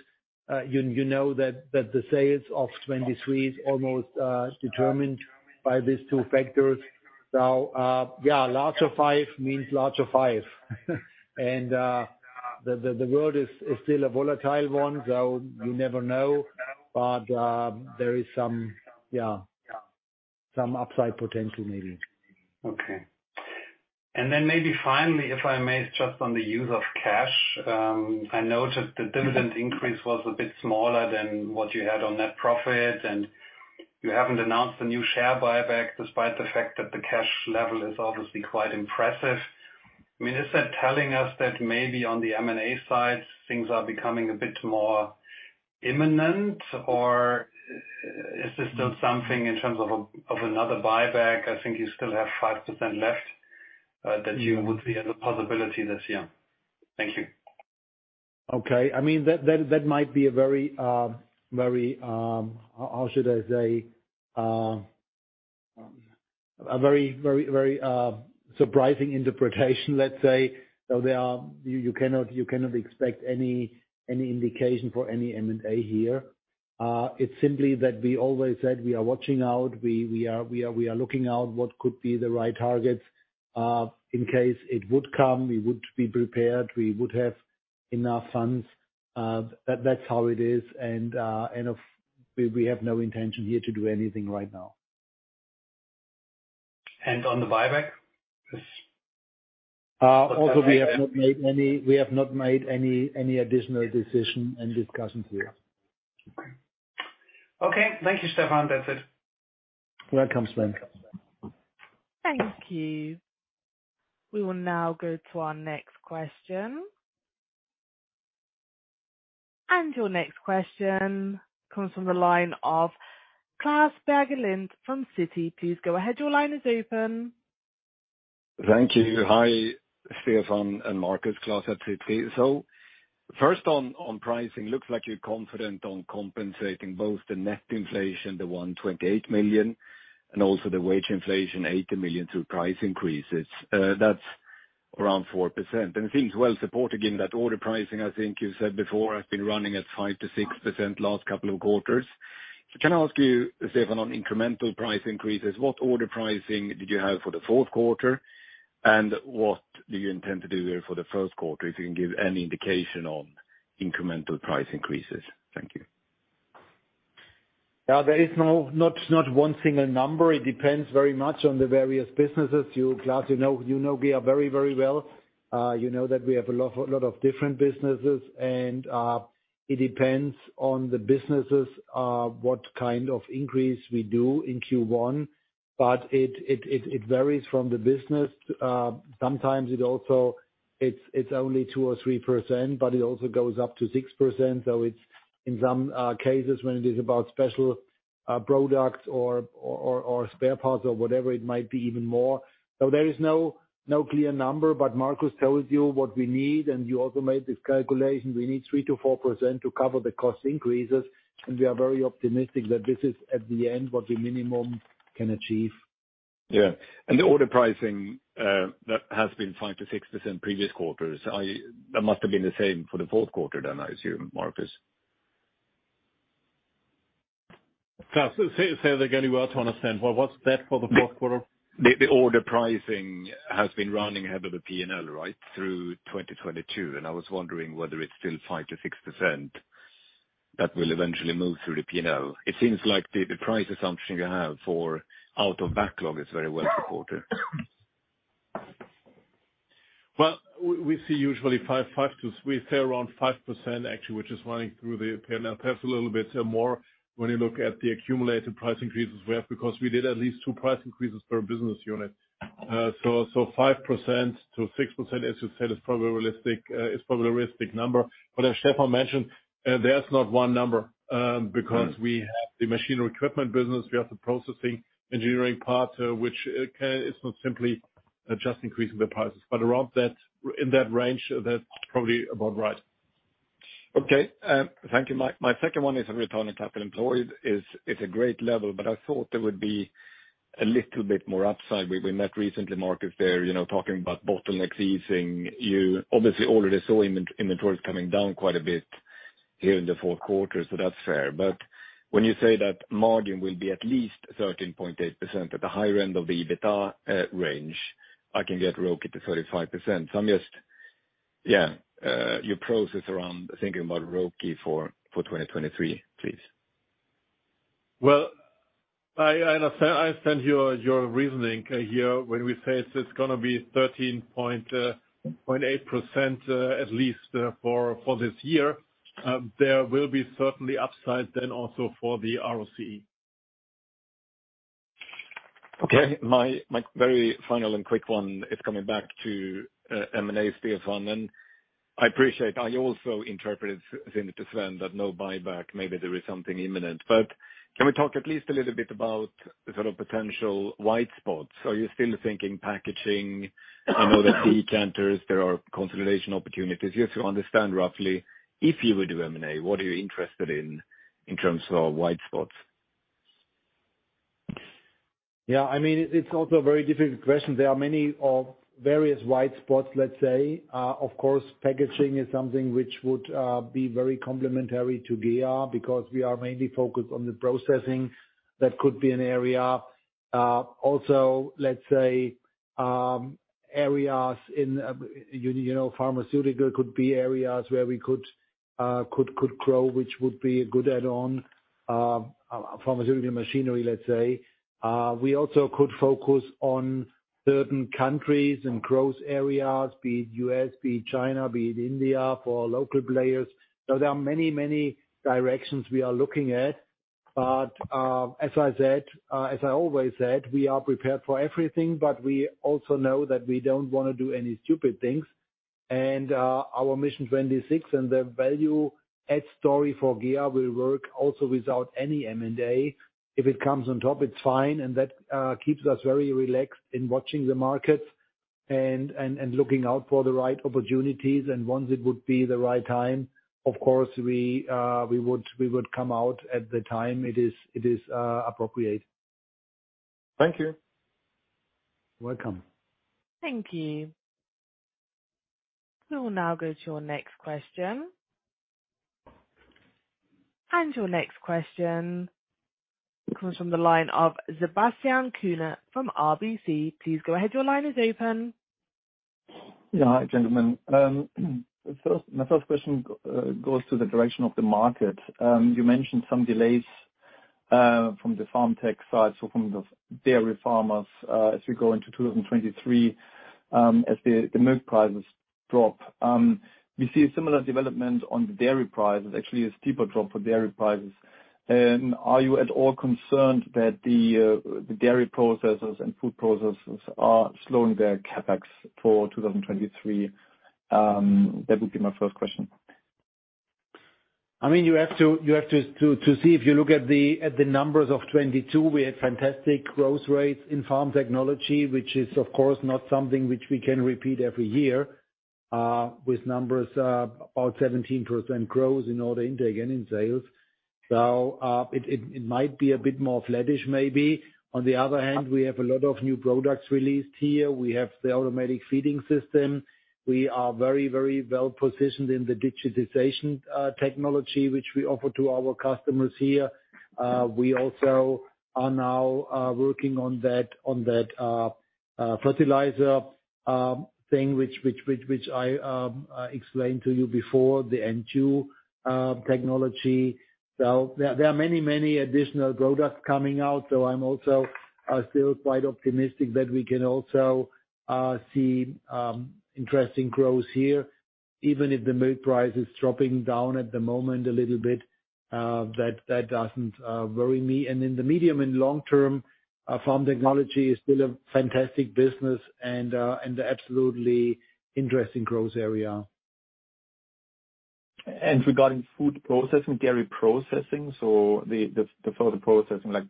you know that the sales of 2023 is almost determined by these two factors. Yeah, larger 5 means larger 5. The world is still a volatile one, so you never know. There is some, yeah, some upside potential maybe. Maybe finally, if I may, just on the use of cash, I noticed the dividend increase was a bit smaller than what you had on net profit, and you haven't announced a new share buyback despite the fact that the cash level is obviously quite impressive. I mean, is that telling us that maybe on the M&A side things are becoming a bit more imminent, or is there still something in terms of another buyback? I think you still have 5% left, that you would see as a possibility this year. Thank you. Okay. I mean, that might be a very, how should I say? a very surprising interpretation, let's say. There are... You cannot expect any indication for any M&A here. It's simply that we always said we are watching out. We are looking out what could be the right targets. In case it would come, we would be prepared. We would have enough funds. That's how it is. Of... We have no intention here to do anything right now. On the buyback? We have not made any additional decision and discussion here. Thank you, Stefan. That's it. You're welcome, Sven. Thank you. We will now go to our next question. Your next question comes from the line of Klas Bergelind from Citi. Please go ahead. Your line is open. Thank you. Hi, Stefan and Marcus. Klas at Citi. First on pricing. Looks like you're confident on compensating both the net inflation, the 128 million, and also the wage inflation, 80 million through price increases. That's around 4%. It seems well supported given that order pricing, I think you said before, has been running at 5%-6% last couple of quarters. Can I ask you, Stefan, on incremental price increases, what order pricing did you have for the fourth quarter, and what do you intend to do there for the first quarter? If you can give any indication on incremental price increases. Thank you. Yeah, there is not one single number. It depends very much on the various busineses. Klaus, you know GEA very, very well. you know that we have a lot of different businesses, it depends on the businesses what kind of increase we do in Q1. It varies from the business. Sometimes it also it's only 2% or 3%, it also goes up to 6%. It's, in some cases, when it is about special products or spare parts or whatever, it might be even more. There is no clear number. Marcus tells you what we need, and you also made this calculation. We need 3%-4% to cover the cost increases, and we are very optimistic that this is at the end what the minimum can achieve. Yeah. The order pricing, that has been 5%-6% previous quarters. That must have been the same for the fourth quarter then, I assume, Marcus. Klas, say it again, you are to understand. What's that for the fourth quarter? The order pricing has been running ahead of the P&L, right? Through 2022, I was wondering whether it's still 5%-6% that will eventually move through the P&L. It seems like the price assumption you have for out of backlog is very well supported. Well, we say around 5% actually, which is running through the P&L. Perhaps a little bit more when you look at the accumulated price increases we have, because we did at least two price increases per business unit. 5%-6%, as you said, is probably a realistic number. As Stefan mentioned, there's not one number, because we have the machinery equipment business. We have the processing engineering part, which it's not simply just increasing the prices. Around that, in that range, that's probably about right. Thank you. My second one is on return on capital employed. It's a great level, but I thought there would be a little bit more upside. We met recently, Marcus, you know, talking about bottlenecks easing. You obviously already saw inventories coming down quite a bit here in the fourth quarter, so that's fair. When you say that margin will be at least 13.8% at the higher end of the EBITA range, I can get ROCE to 35%. I'm just... Yeah, your process around thinking about ROCE for 2023, please. Well, I understand your reasoning here when we say it's gonna be 13.8% at least for this year. There will be certainly upside then also for the ROCE. Okay. My very final and quick one is coming back to M&A, Stefan. I appreciate I also interpreted similarly to Sven that no buyback, maybe there is something imminent. Can we talk at least a little bit about the sort of potential white spots? Are you still thinking packaging? I know that decanters, there are consolidation opportunities. Just to understand roughly, if you would do M&A, what are you interested in terms of white spots? I mean, it's also a very difficult question. There are many various white spots, let's say. Of course, packaging is something which would be very complementary to GEA because we are mainly focused on the processing. That could be an area. Also, let's say, areas in, you know, pharmaceutical could be areas where we could grow, which would be a good add-on. Pharmaceutical machinery, let's say. We also could focus on certain countries and growth areas, be it U.S., be it China, be it India, for local players. There are many, many directions we are looking at. But, as I said, as I always said, we are prepared for everything, but we also know that we don't wanna do any stupid things. Our Mission 26 and the value add story for GEA will work also without any M&A. If it comes on top, it's fine, and that keeps us very relaxed in watching the markets and looking out for the right opportunities. Once it would be the right time, of course, we would come out at the time it is appropriate. Thank you. Welcome. Thank you. We will now go to your next question. Your next question comes from the line of Sebastian Kuenne from RBC. Please go ahead. Your line is open. Yeah. Hi, gentlemen. My first question goes to the direction of the market. You mentioned some delays from the farm tech side, so from the dairy farmers, as we go into 2023, as the milk prices drop. We see a similar development on the dairy prices, actually a steeper drop for dairy prices. Are you at all concerned that the dairy processors and food processors are slowing their CapEx for 2023? That would be my first question. I mean, you have to see if you look at the numbers of 2022, we had fantastic growth rates in Farm Technologies, which is of course not something which we can repeat every year, with numbers about 17% growth in order intake and in sales. It might be a bit more flattish maybe. On the other hand, we have a lot of new products released here. We have the automatic feeding system. We are very, very well positioned in the digitization technology which we offer to our customers here. We also are now working on that fertilizer thing which I explained to you before, the N2 technology. There are many additional products coming out. I'm also still quite optimistic that we can also see interesting growth here, even if the milk price is dropping down at the moment a little bit, that doesn't worry me. In the medium and long term, farm technology is still a fantastic business and absolutely interesting growth area. Regarding food processing, dairy processing, so the further processing like,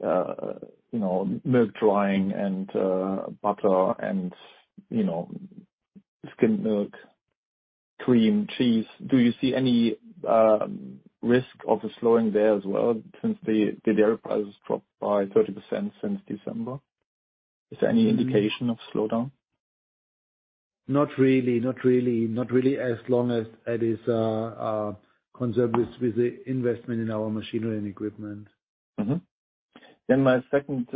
you know, milk drying and butter and, you know, skim milk, cream cheese, do you see any risk of a slowing there as well since the dairy prices dropped by 30% since December? Is there any indication of slowdown? Not really, as long as it is conserved with the investment in our machinery and equipment. My second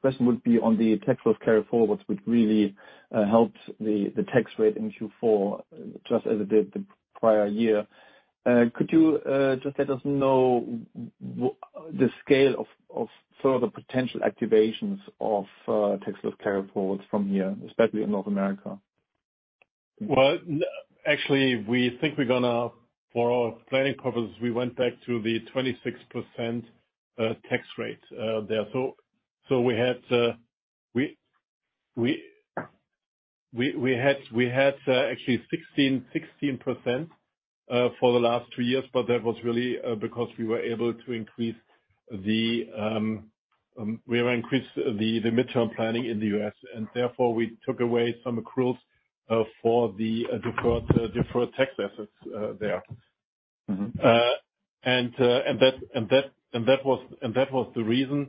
question would be on the tax loss carryforwards, which really helped the tax rate in Q4 just as it did the prior year. Could you just let us know the scale of sort of the potential activations of tax loss carryforwards from here, especially in North America? Well, actually, we think we're going to, for our planning purposes, we went back to the 26% tax rate there. We had actually 16% for the last 2 years, that was really because we have increased the midterm planning in the U.S. and therefore we took away some accruals for the deferred tax assets there. Mm-hmm. That was the reason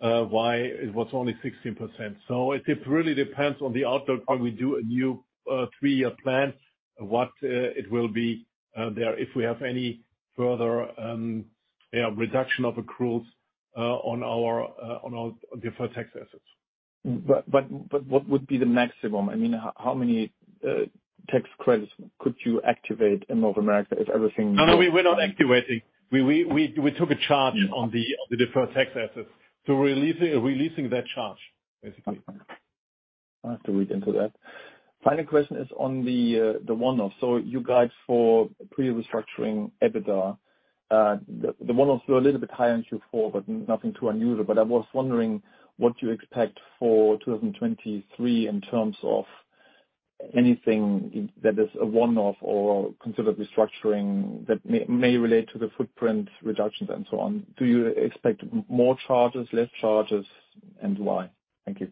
why it was only 16%. It really depends on the outcome when we do a new 3-year plan, what it will be there, if we have any further, yeah, reduction of accruals on our deferred tax assets. What would be the maximum? I mean, how many tax credits could you activate in North America if everything- No, no, we're not activating. We took a charge. Yeah. on the deferred tax assets. We're releasing that charge, basically. I'll have to read into that. Final question is on the one-off. You guide for pre-restructuring EBITDA. The one-offs were a little bit higher in Q4, but nothing too unusual. I was wondering what you expect for 2023 in terms of anything that is a one-off or considered restructuring that may relate to the footprint reductions and so on. Do you expect more charges, less charges, and why? Thank you.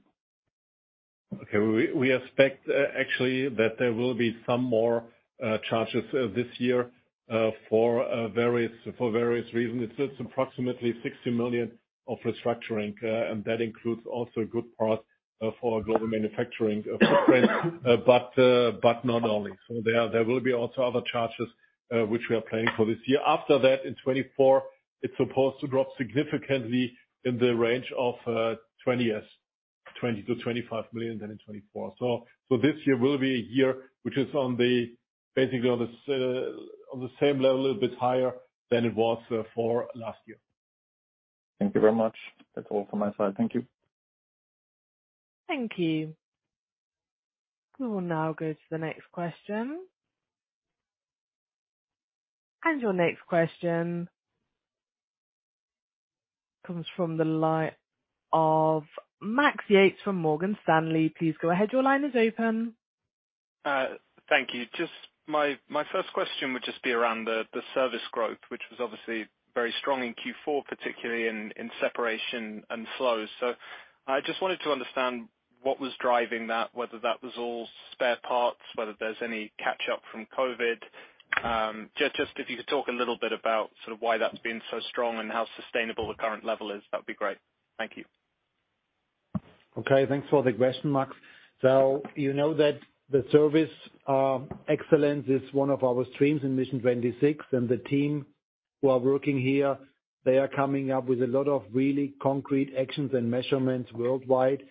Okay. We expect actually that there will be some more charges this year for various reasons. It's approximately 60 million of restructuring, and that includes also a good part for our global manufacturing footprint, but not only. There will be also other charges which we are planning for this year. After that, in 2024, it's supposed to drop significantly in the range of 20-ish, 20 million-25 million then in 2024. This year will be a year which is on the basically on the same level, a little bit higher than it was for last year. Thank you very much. That's all from my side. Thank you. Thank you. We will now go to the next question. Your next question comes from the line of Max Yates from Morgan Stanley. Please go ahead. Your line is open. Thank you. Just my first question would just be around the service growth, which was obviously very strong in Q4, particularly in Separation and Flows. I just wanted to understand what was driving that, whether that was all spare parts, whether there's any catch-up from COVID. Just if you could talk a little bit about sort of why that's been so strong and how sustainable the current level is, that would be great. Thank you. Okay. Thanks for the question, Max. You know that the service excellence is one of our streams in Mission 26, the team who are working here, they are coming up with a lot of really concrete actions and measurements worldwide.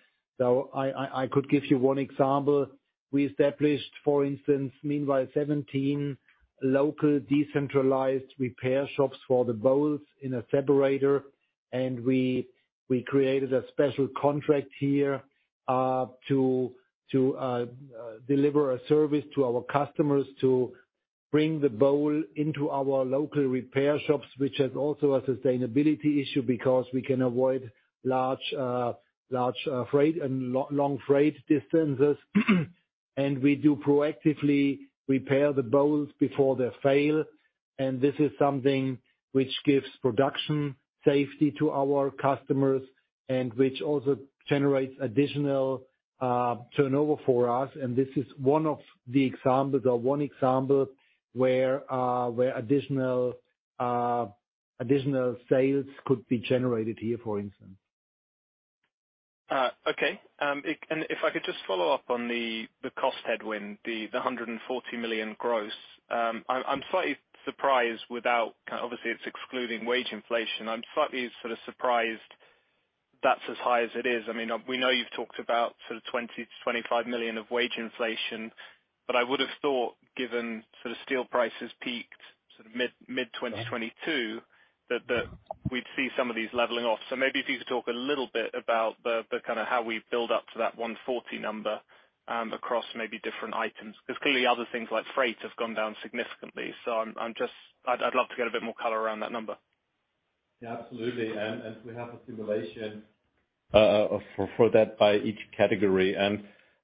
I could give you one example. We established, for instance, meanwhile, 17 local decentralized repair shops for the bowls in a separator, we created a special contract here to deliver a service to our customers to bring the bowl into our local repair shops, which is also a sustainability issue because we can avoid large freight and long freight distances. We do proactively repair the bowls before they fail. This is something which gives production safety to our customers and which also generates additional turnover for us. This is one of the examples or one example where additional additional sales could be generated here, for instance. Okay. If I could just follow up on the cost headwind, the 140 million gross. I'm slightly surprised. Obviously, it's excluding wage inflation. I'm slightly sort of surprised that's as high as it is. I mean, we know you've talked about sort of 20 million-25 million of wage inflation, but I would've thought given sort of steel prices peaked sort of mid-2022, that we'd see some of these leveling off. Maybe if you could talk a little bit about the kind of how we build up to that 140 number across maybe different items. 'Cause clearly other things like freight have gone down significantly. I'd love to get a bit more color around that number. Yeah, absolutely. We have a simulation for that by each category.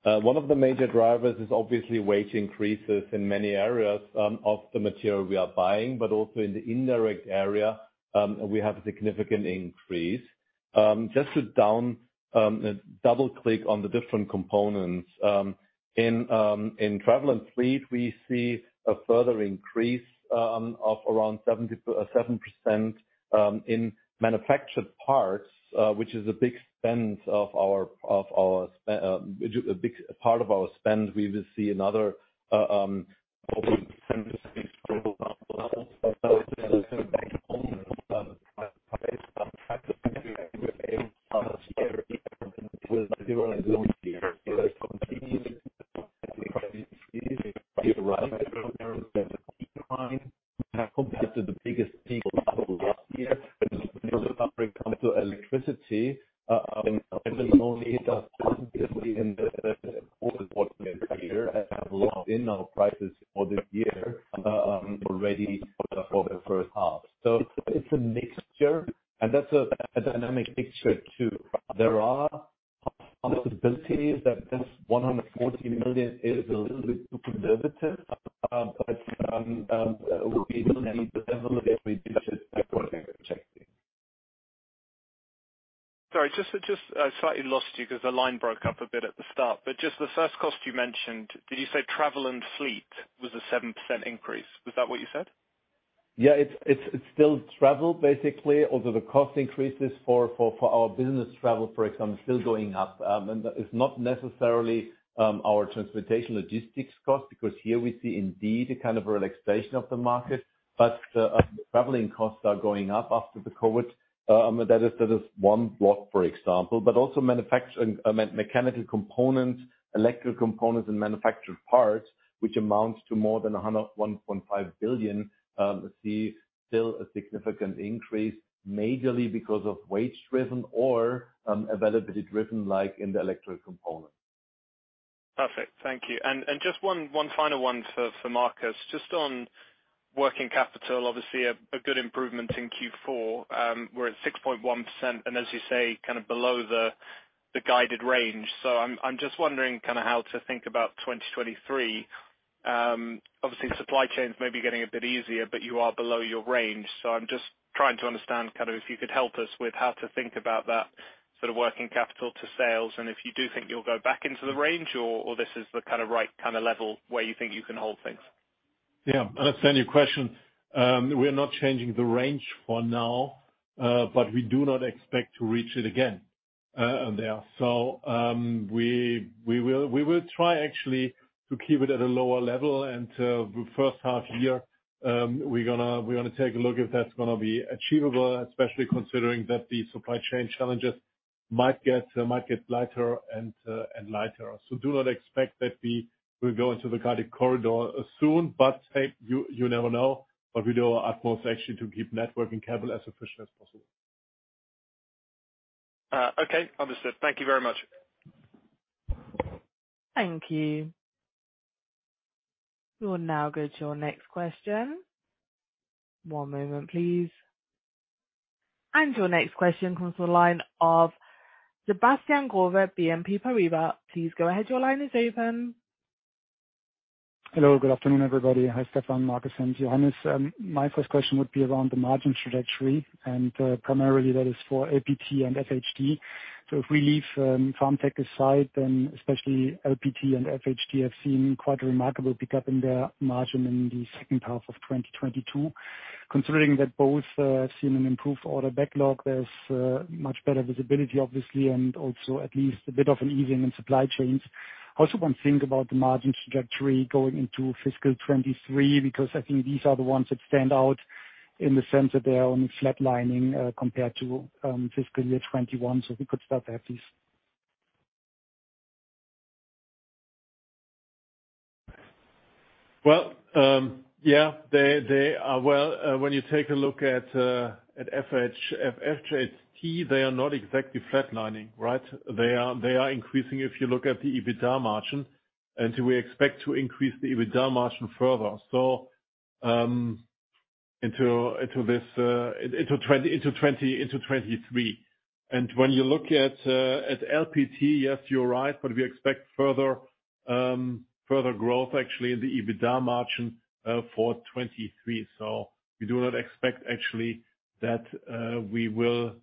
One of the major drivers is obviously wage increases in many areas of the material we are buying, but also in the indirect area, we have a significant increase. Just to down double-click on the different components. In travel and fleet, we see a further increase of around 7%, in manufactured parts, which is a big spend of our a big part of our spend. We will see another, Sorry, I slightly lost you 'cause the line broke up a bit at the start. Just the first cost you mentioned, did you say travel and fleet was a 7% increase? Was that what you said? It's still travel basically, although the cost increases for our business travel, for example, are still going up. That is not necessarily our transportation logistics cost, because here we see indeed a kind of relaxation of the market. Traveling costs are going down up after the COVID. That is one block, for example. Also mechanical components, electric components and manufactured parts, which amounts to more than 1.5 billion, see still a significant increase, majorly because of wage-driven or availability-driven, like in the electric component. Perfect. Thank you. Just one final one for Marcus. Just on working capital, obviously a good improvement in Q4. We're at 6.1%, as you say, kind of below the guided range. I'm just wondering kind of how to think about 2023. Obviously the supply chains may be getting a bit easier, but you are below your range. I'm just trying to understand kind of if you could help us with how to think about that sort of working capital to sales, and if you do think you'll go back into the range or this is the kind of right kind of level where you think you can hold things. Yeah. I understand your question. We're not changing the range for now, but we do not expect to reach it again there. We will try actually to keep it at a lower level. The first half year, we're gonna take a look if that's gonna be achievable, especially considering that the supply chain challenges might get lighter and lighter. Do not expect that we will go into the guided corridor soon, but, hey, you never know. We do our utmost actually to keep net working capital as efficient as possible. Okay. Understood. Thank you very much. Thank you. We will now go to your next question. One moment, please. Your next question comes from the line of Sebastian Growe, BNP Paribas. Please go ahead. Your line is open. Hello. Good afternoon, everybody. Hi, Stefan, Marcus, and Johannes. My first question would be around the margin trajectory, and primarily that is for APT and FHT. If we leave Farm Tech aside, then especially LPT and FHT have seen quite a remarkable pickup in their margin in the second half of 2022. Considering that both have seen an improved order backlog, there's much better visibility obviously, and also at least a bit of an easing in supply chains. I also want to think about the margin trajectory going into fiscal 23, because I think these are the ones that stand out in the sense that they are only flatlining compared to fiscal year 2021. If you could start there, please. Well, yeah. They are. Well, when you take a look at FHT, they are not exactly flatlining, right? They are increasing if you look at the EBITDA margin, and we expect to increase the EBITDA margin further. Into this into 2023. When you look at LPT, yes, you're right, but we expect further growth actually in the EBITDA margin for 2023. We do not expect actually that we will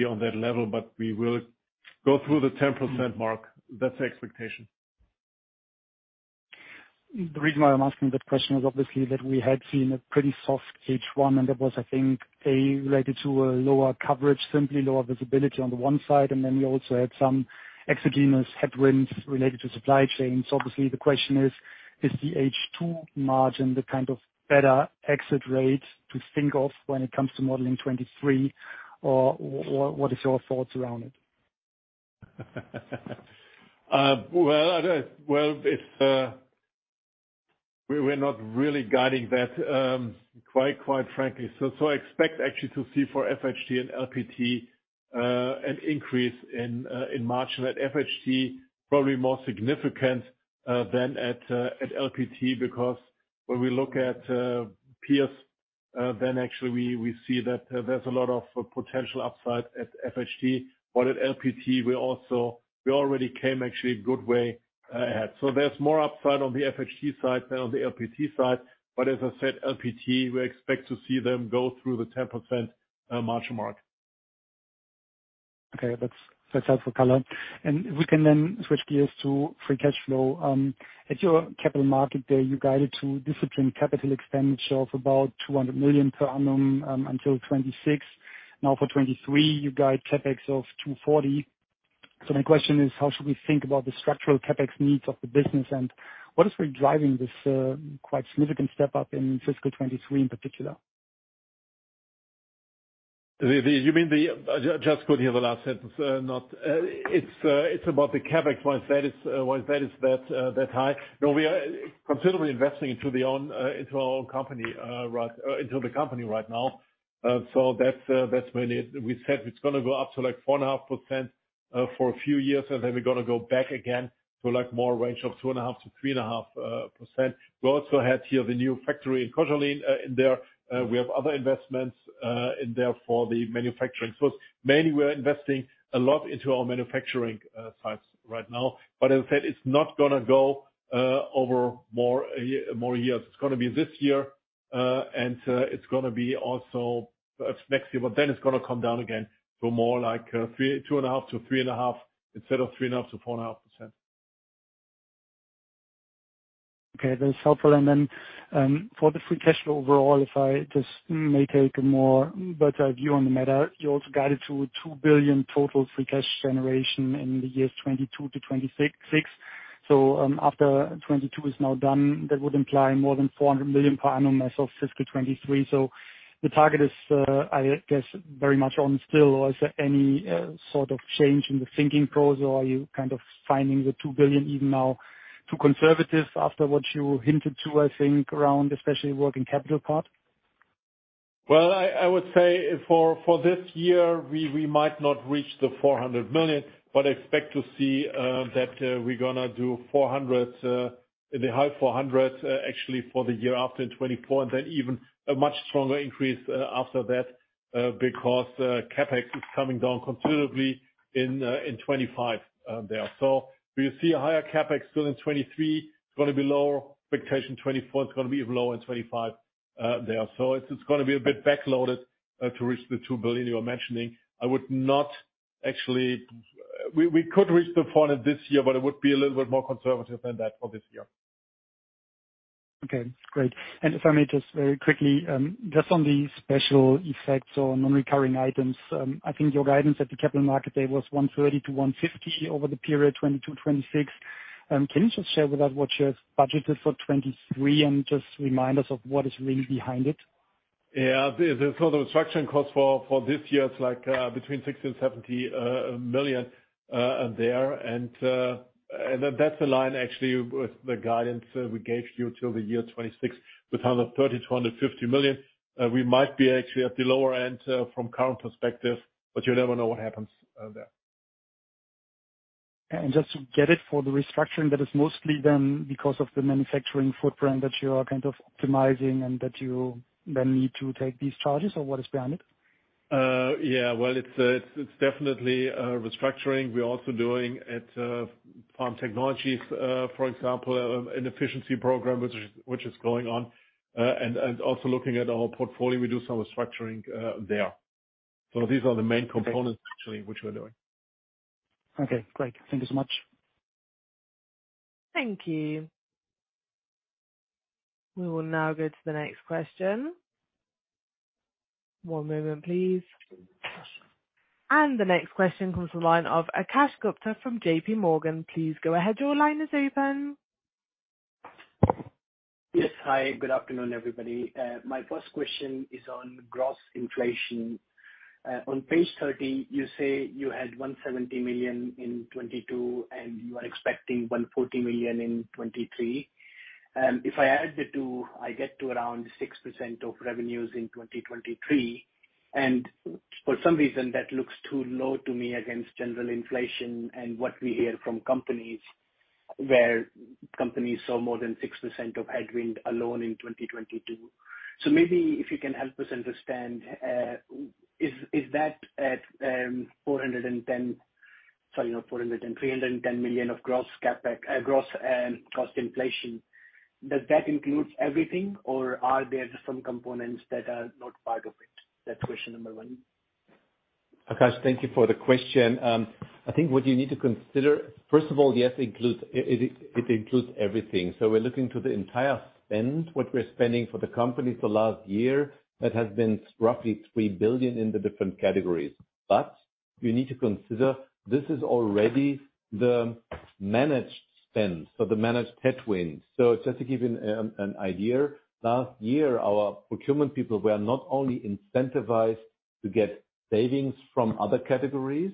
be on that level, but we will go through the 10% mark. That's the expectation. The reason why I'm asking that question is obviously that we had seen a pretty soft H1, that was, I think, A, related to a lower coverage, simply lower visibility on the one side. Then we also had some exogenous headwinds related to supply chain. Obviously the question is the H2 margin the kind of better exit rate to think of when it comes to modeling 2023 or what is your thoughts around it? Well, we're not really guiding that quite frankly. I expect actually to see for FHT and LPT an increase in margin. At FHT, probably more significant than at LPT. When we look at peers, then actually we see that there's a lot of potential upside at FHT. At LPT we already came actually a good way ahead. There's more upside on the FHT side than on the LPT side. As I said, LPT, we expect to see them go through the 10% margin mark. Okay. That's helpful color. If we can then switch gears to free cash flow. At your Capital Market Day, you guided to disciplined capital expenditure of about 200 million per annum until 2026. For 2023, you guide CapEx of 240. My question is, how should we think about the structural CapEx needs of the business, and what is really driving this quite significant step up in fiscal 2023 in particular? The You mean the just could hear the last sentence not. It's it's about the CapEx, why is that why that is that that high? We are considerably investing into our own company right into the company right now. That's mainly it. We said it's gonna go up to like 4.5% for a few years, we're gonna go back again to like more range of 2.5%-3.5%. We also had here the new factory in Koszalin in there. We have other investments in there for the manufacturing. It's mainly we're investing a lot into our manufacturing sites right now, but as I said, it's not gonna go over more a year, more years. It's gonna be this year, and it's gonna be also next year. It's gonna come down again to more like 2.5%-3.5% instead of 3.5%-4.5%. Okay, that's helpful. For the free cash flow overall, if I just may take a more bird's-eye view on the matter. You also guided to 2 billion total free cash generation in the years 2022 to 2026. After 2022 is now done, that would imply more than 400 million per annum as of fiscal 2023. The target is, I guess very much on still. Is there any sort of change in the thinking process, or are you kind of finding the 2 billion even now too conservative after what you hinted to, I think, around especially working capital part? Well, I would say for this year, we might not reach the 400 million, but expect to see that we're gonna do 400 in the high EUR 400s actually for the year after in 2024. Even a much stronger increase after that because CapEx is coming down considerably in 2025 there. We'll see a higher CapEx still in 2023. It's gonna be lower expectation 2024. It's gonna be even lower in 2025 there. It's gonna be a bit backloaded to reach the 2 billion you are mentioning. I would not actually. We could reach the point this year, but it would be a little bit more conservative than that for this year. Okay, great. If I may, just very quickly, just on the special effects or non-recurring items. I think your guidance at the Capital Market Day was 130 million-150 million over the period 2020 to 2026. Can you just share with us what you have budgeted for 2023 and just remind us of what is really behind it? Yeah. The sort of restructuring cost for this year is like between 60 million and 70 million there. That's the line actually with the guidance we gave you till the year 2026 with 130 million-150 million. We might be actually at the lower end from current perspective, but you never know what happens there. Just to get it for the restructuring, that is mostly then because of the manufacturing footprint that you are kind of optimizing and that you then need to take these charges, or what is behind it? Yeah. Well, it's definitely, restructuring. We are also doing at Farm Technologies, for example, an efficiency program which is going on. And also looking at our portfolio, we do some restructuring, there. These are the main components actually which we're doing. Okay, great. Thank you so much. Thank you. We will now go to the next question. One moment please. The next question comes from the line of Akash Gupta from J.P. Morgan. Please go ahead, your line is open. Yes. Hi, good afternoon, everybody. My first question is on gross inflation. On page 30, you say you had 170 million in 2022, and you are expecting 140 million in 2023. If I add the two, I get to around 6% of revenues in 2023. For some reason, that looks too low to me against general inflation and what we hear from companies, where companies saw more than 6% of headwind alone in 2022. So maybe if you can help us understand, is that at 410... Sorry, not 410, 310 million of gross CapEx, gross and cost inflation, does that include everything or are there different components that are not part of it? That's question number one. Akash, thank you for the question. I think what you need to consider, first of all, yes, it includes everything. We're looking to the entire spend, what we're spending for the company for last year, that has been roughly 3 billion in the different categories. You need to consider this is already the managed spend, so the managed headwind. Just to give you an idea, last year our procurement people were not only incentivized to get savings from other categories,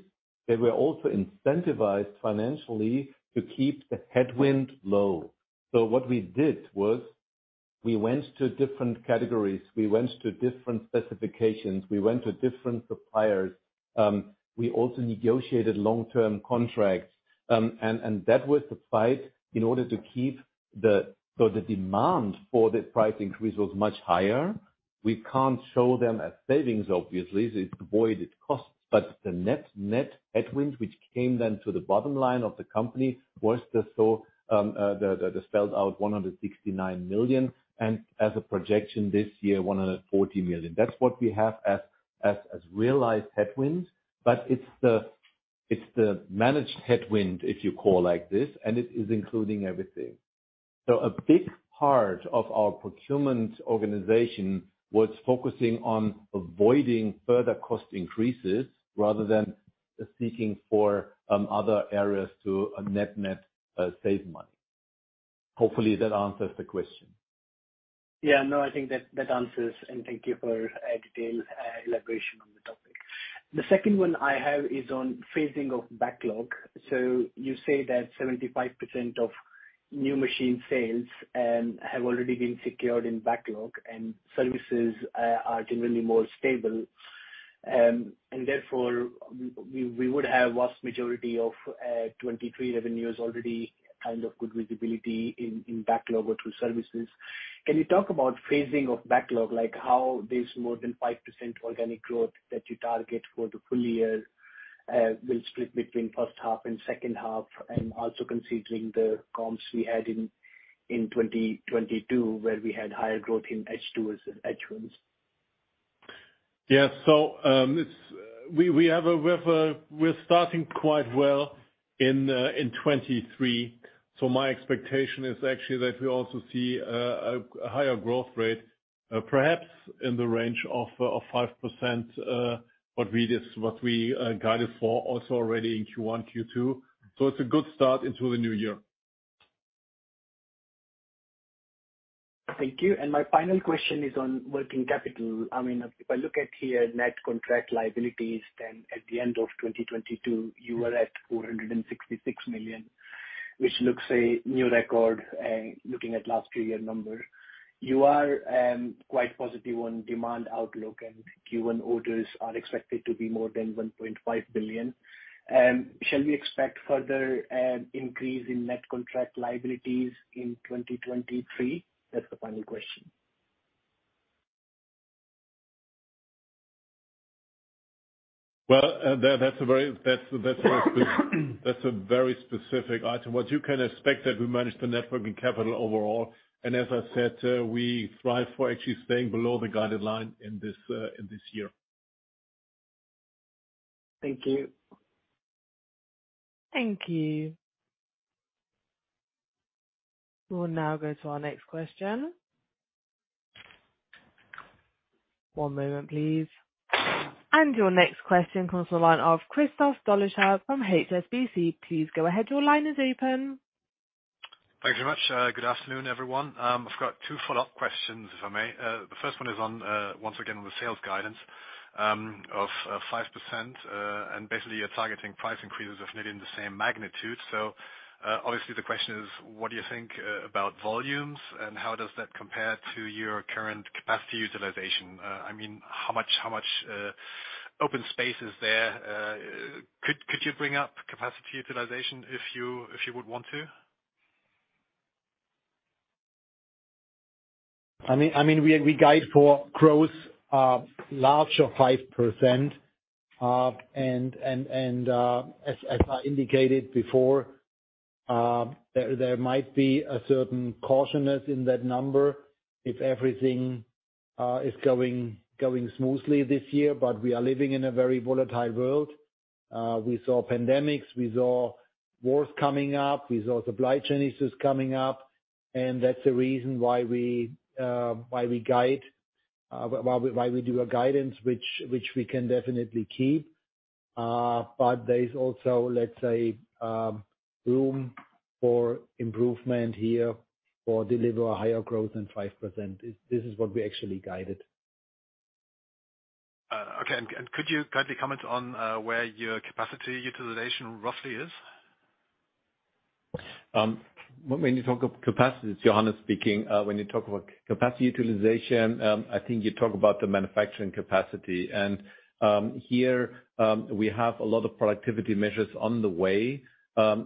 they were also incentivized financially to keep the headwind low. What we did was we went to different categories, we went to different specifications, we went to different suppliers, we also negotiated long-term contracts, and that was the fight. The demand for the price increase was much higher. We can't show them as savings, obviously, it avoided costs. The net-net headwind which came then to the bottom line of the company was the spelled out 169 million, and as a projection this year, 140 million. That's what we have as realized headwind. It's the, it's the managed headwind, if you call like this, and it is including everything. A big part of our procurement organization was focusing on avoiding further cost increases rather than seeking for other areas to net-net save money. Hopefully, that answers the question. No, I think that answers. Thank you for detail elaboration on the topic. The second one I have is on phasing of backlog. You say that 75% of new machine sales have already been secured in backlog and services are generally more stable. Therefore we would have vast majority of 2023 revenues already kind of good visibility in backlog or through services. Can you talk about phasing of backlog, like how this more than 5% organic growth that you target for the full year will split between first half and second half, also considering the comps we had in 2022, where we had higher growth in H2 as in H1s? Yeah. We're starting quite well in 2023. My expectation is actually that we also see a higher growth rate, perhaps in the range of 5%, what we guided for also already in Q1, Q2. It's a good start into the new year. Thank you. My final question is on working capital. I mean, if I look at here net contract liabilities, then at the end of 2022, you were at 466 million, which looks a new record, looking at last 2-year numbers. You are quite positive on demand outlook and Q1 orders are expected to be more than 1.5 billion. Shall we expect further increase in net contract liabilities in 2023? That's the final question. Well, that's a very specific item. What you can expect that we manage the net working capital overall. As I said, we thrive for actually staying below the guideline in this year. Thank you. Thank you. We'll now go to our next question. One moment please. Your next question comes to the line of Christoph Dolleschal from HSBC. Please go ahead, your line is open. Thank you very much. Good afternoon, everyone. I've got two follow-up questions, if I may. The first one is on, once again, on the sales guidance, of 5%. Basically, you're targeting price increases of nearly in the same magnitude. Obviously, the question is what do you think about volumes, and how does that compare to your current capacity utilization? I mean, how much open space is there? Could you bring up capacity utilization if you would want to? I mean, we guide for growth, large of 5%, and, as I indicated before, there might be a certain cautiousness in that number if everything is going smoothly this year. We are living in a very volatile world. We saw pandemics, we saw wars coming up, we saw supply chain issues coming up, that's the reason why we guide, why we do a guidance which we can definitely keep. There is also, let's say, room for improvement here or deliver a higher growth than 5%. This is what we actually guided. Okay. Could you kindly comment on where your capacity utilization roughly is? When you talk of capacities, Johannes speaking, when you talk about capacity utilization, I think you talk about the manufacturing capacity. Here, we have a lot of productivity measures on the way,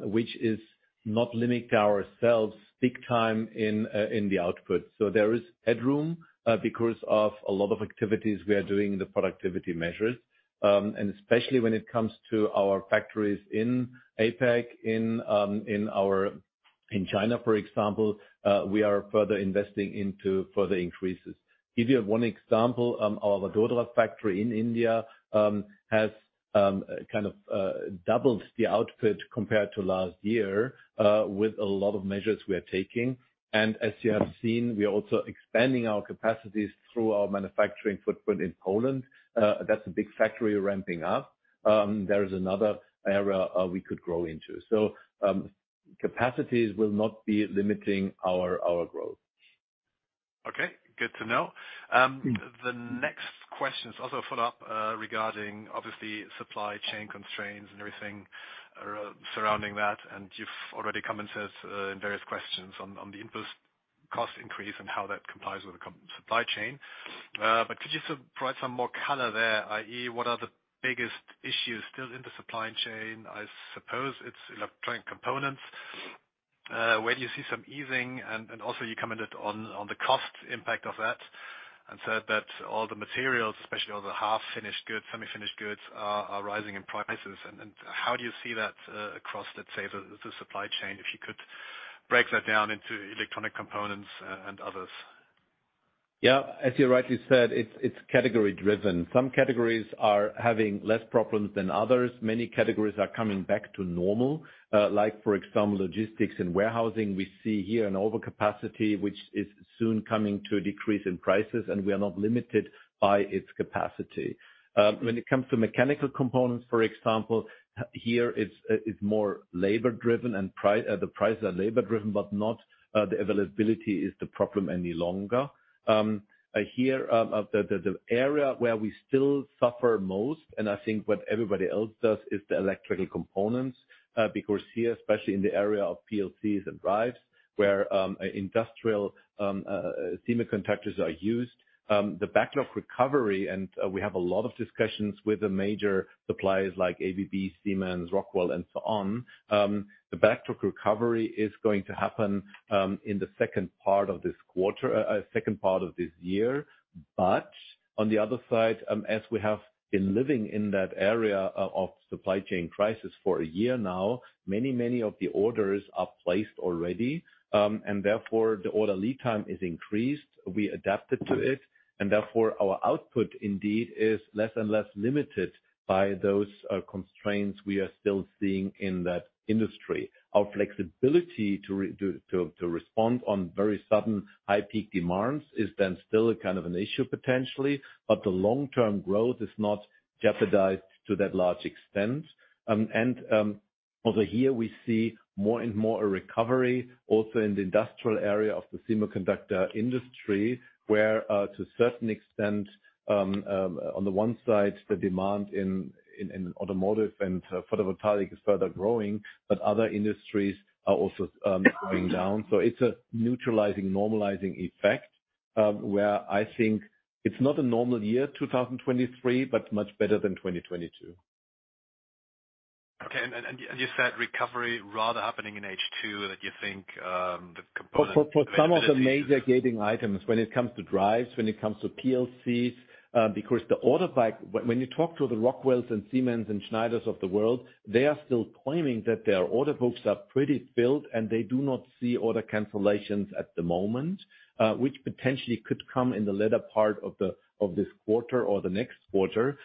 which is not limit ourselves peak time in the output. There is headroom because of a lot of activities we are doing the productivity measures. Especially when it comes to our factories in APAC, in China, for example, we are further investing into further increases. Give you one example, our Vadodara factory in India has kind of doubled the output compared to last year with a lot of measures we are taking. As you have seen, we are also expanding our capacities through our manufacturing footprint in Poland. That's a big factory ramping up. There is another area, we could grow into. Capacities will not be limiting our growth. Okay, good to know. The next question is also a follow-up regarding obviously supply chain constraints and everything surrounding that. You've already commented in various questions on the input cost increase and how that complies with the supply chain. Could you just provide some more color there, i.e., what are the biggest issues still in the supply chain? I suppose it's electronic components. Where do you see some easing? Also you commented on the cost impact of that and said that all the materials, especially all the half-finished goods, semi-finished goods are rising in prices. How do you see that across, let's say, the supply chain? If you could break that down into electronic components and others. As you rightly said, it's category-driven. Some categories are having less problems than others. Many categories are coming back to normal. Like for example, logistics and warehousing. We see here an overcapacity which is soon coming to a decrease in prices, and we are not limited by its capacity. When it comes to mechanical components, for example, here it's more labor-driven and the prices are labor-driven, but not the availability is the problem any longer. Here, the area where we still suffer most, and I think what everybody else does, is the electrical components. Because here, especially in the area of PLCs and drives where industrial semiconductor are used. The backlog recovery, and we have a lot of discussions with the major suppliers like ABB, Siemens, Rockwell and so on. The backlog recovery is going to happen in the second part of this year. On the other side, as we have been living in that area of supply chain crisis for 1 year now, many of the orders are placed already, and therefore the order lead time is increased. We adapted to it, and therefore our output indeed is less and less limited by those constraints we are still seeing in that industry. Our flexibility to respond on very sudden high peak demands is then still kind of an issue potentially, but the long-term growth is not jeopardized to that large extent. Also here we see more and more a recovery also in the industrial area of the semiconductor industry where to certain extent, on the one side, the demand in automotive and photovoltaic is further growing, but other industries are also going down. It's a neutralizing, normalizing effect, where I think it's not a normal year, 2023, but much better than 2022. Okay. And you said recovery rather happening in H2, that you think, the component-. For some of the major gating items when it comes to drives, when it comes to PLCs, because the order when you talk to the Rockwells and Siemens and Schneiders of the world, they are still claiming that their order books are pretty filled and they do not see order cancellations at the moment, which potentially could come in the latter part of this quarter or the next quarter.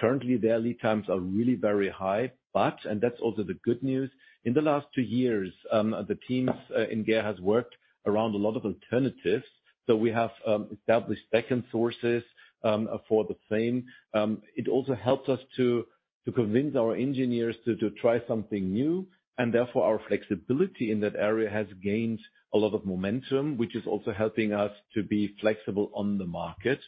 Currently their lead times are really very high. That's also the good news, in the last two years, the teams in GEA has worked around a lot of alternatives. We have established second sources for the same. It also helps us to convince our engineers to try something new, and therefore our flexibility in that area has gained a lot of momentum, which is also helping us to be flexible on the market.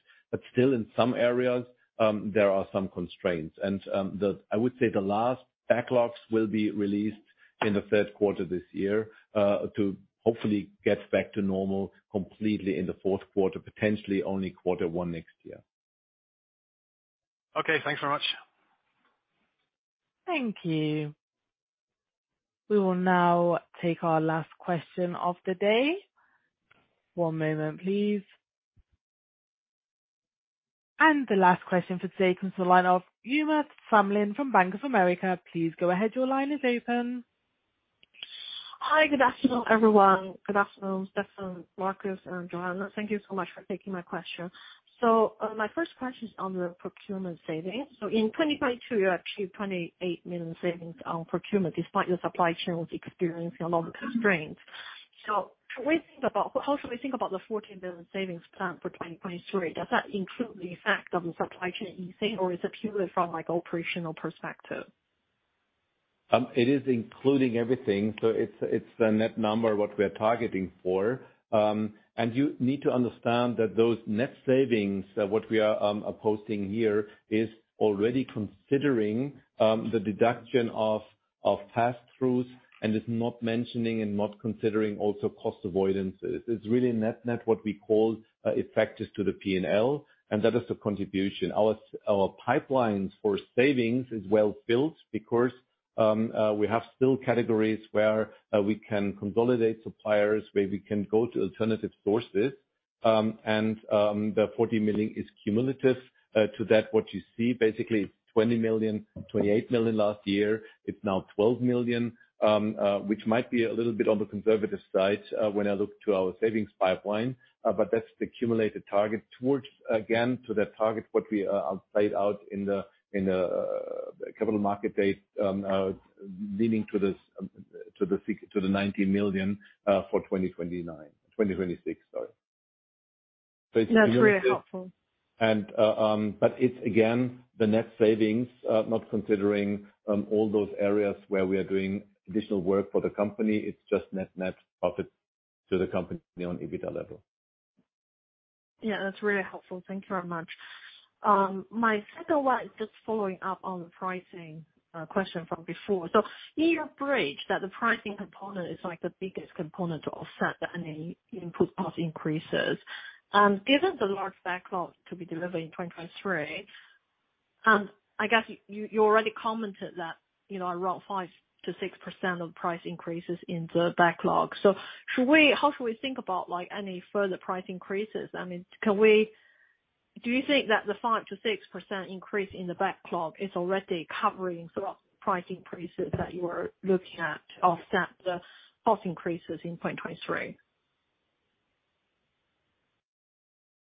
Still in some areas, there are some constraints. I would say the last backlogs will be released in the third quarter this year, to hopefully get back to normal completely in the fourth quarter, potentially only quarter 1 next year. Okay. Thanks very much. Thank you. We will now take our last question of the day. One moment, please. The last question for today comes from the line of Uma Samlin from Bank of America. Please go ahead. Your line is open. Hi, good afternoon, everyone. Good afternoon, Stefan, Marcus, and Johannes. Thank you so much for taking my question. My first question is on the procurement savings. In 2022 you achieved 28 million savings on procurement despite your supply chain was experiencing a lot of constraints. How should we think about the 14 billion savings plan for 2023? Does that include the effect of the supply chain easing or is it purely from like operational perspective? It is including everything, so it's the net number what we are targeting for. You need to understand that those net savings what we are posting here is already considering the deduction of passthroughs and is not mentioning and not considering also cost avoidances. It's really net-net what we call effect is to the P&L, and that is the contribution. Our pipelines for savings is well-built because we have still categories where we can consolidate suppliers, where we can go to alternative sources. The 40 million is cumulative. To that, what you see basically is 20 million, 28 million last year. It's now 12 million, which might be a little bit on the conservative side when I look to our savings pipeline. That's the cumulative target towards, again, to that target what we laid out in the, in the, Capital Market Day, leading to this, to the 90 million, for 2029. 2026, sorry. No, it's really helpful. It's again, the net savings, not considering all those areas where we are doing additional work for the company. It's just net-net profit to the company on EBITDA level. Yeah, that's really helpful. Thank Thank you very much. My second one is just following up on the pricing, question from before. In your bridge that the pricing component is like the biggest component to offset any input cost increases, given the large backlog to be delivered in 2023, I guess you already commented that, you know, around 5%-6% of price increases in the backlog. How should we think about like any further price increases? I mean, can we Do you think that the 5%-6% increase in the backlog is already covering for price increases that you are looking at to offset the cost increases in 2023?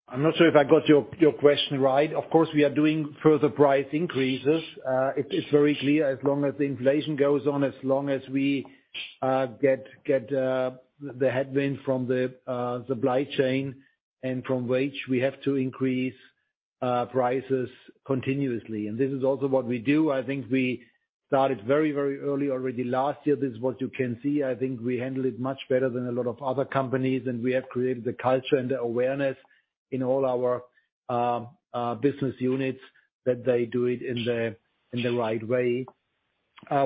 I'm not sure if I got your question right. Of course, we are doing further price increases. It's very clear as long as the inflation goes on, as long as we get the headwind from the supply chain and from wage, we have to increase prices continuously. This is also what we do. I think we started very, very early already last year. This is what you can see. I think we handle it much better than a lot of other companies, and we have created the culture and the awareness in all our business units that they do it in the right way.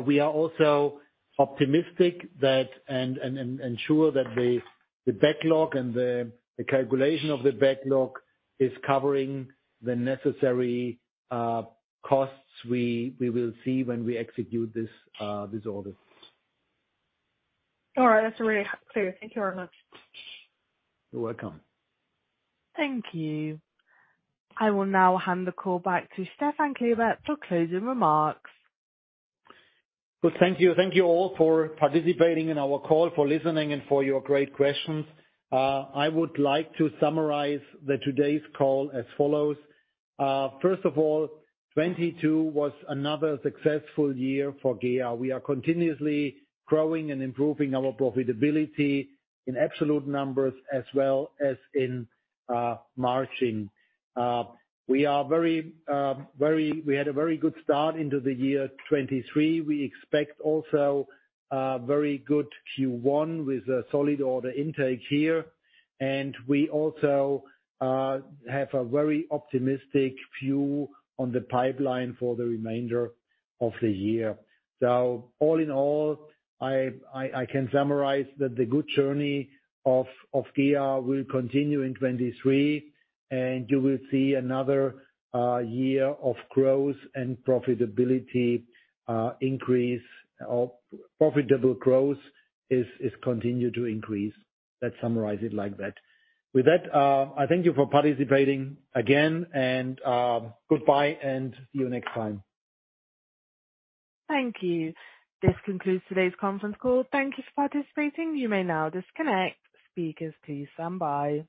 We are also optimistic that, and sure that the backlog and the calculation of the backlog is covering the necessary costs we will see when we execute this these orders. All right. That's really clear. Thank you very much. You're welcome. Thank you. I will now hand the call back to Stefan Klebert for closing remarks. Well, thank you. Thank you all for participating in our call, for listening, and for your great questions. I would like to summarize the today's call as follows. First of all, 2022 was another successful year for GEA. We are continuously growing and improving our profitability in absolute numbers as well as in margin. We had a very good start into the year 2023. We expect also a very good Q1 with a solid order intake here. We also have a very optimistic view on the pipeline for the remainder of the year. All in all, I can summarize that the good journey of GEA will continue in 2023, you will see another year of growth and profitability increase. Profitable growth is continue to increase. Let's summarize it like that. With that, I thank you for participating again, and goodbye and see you next time. Thank you. This concludes today's conference call. Thank you for participating. You may now disconnect. Speakers, please stand by.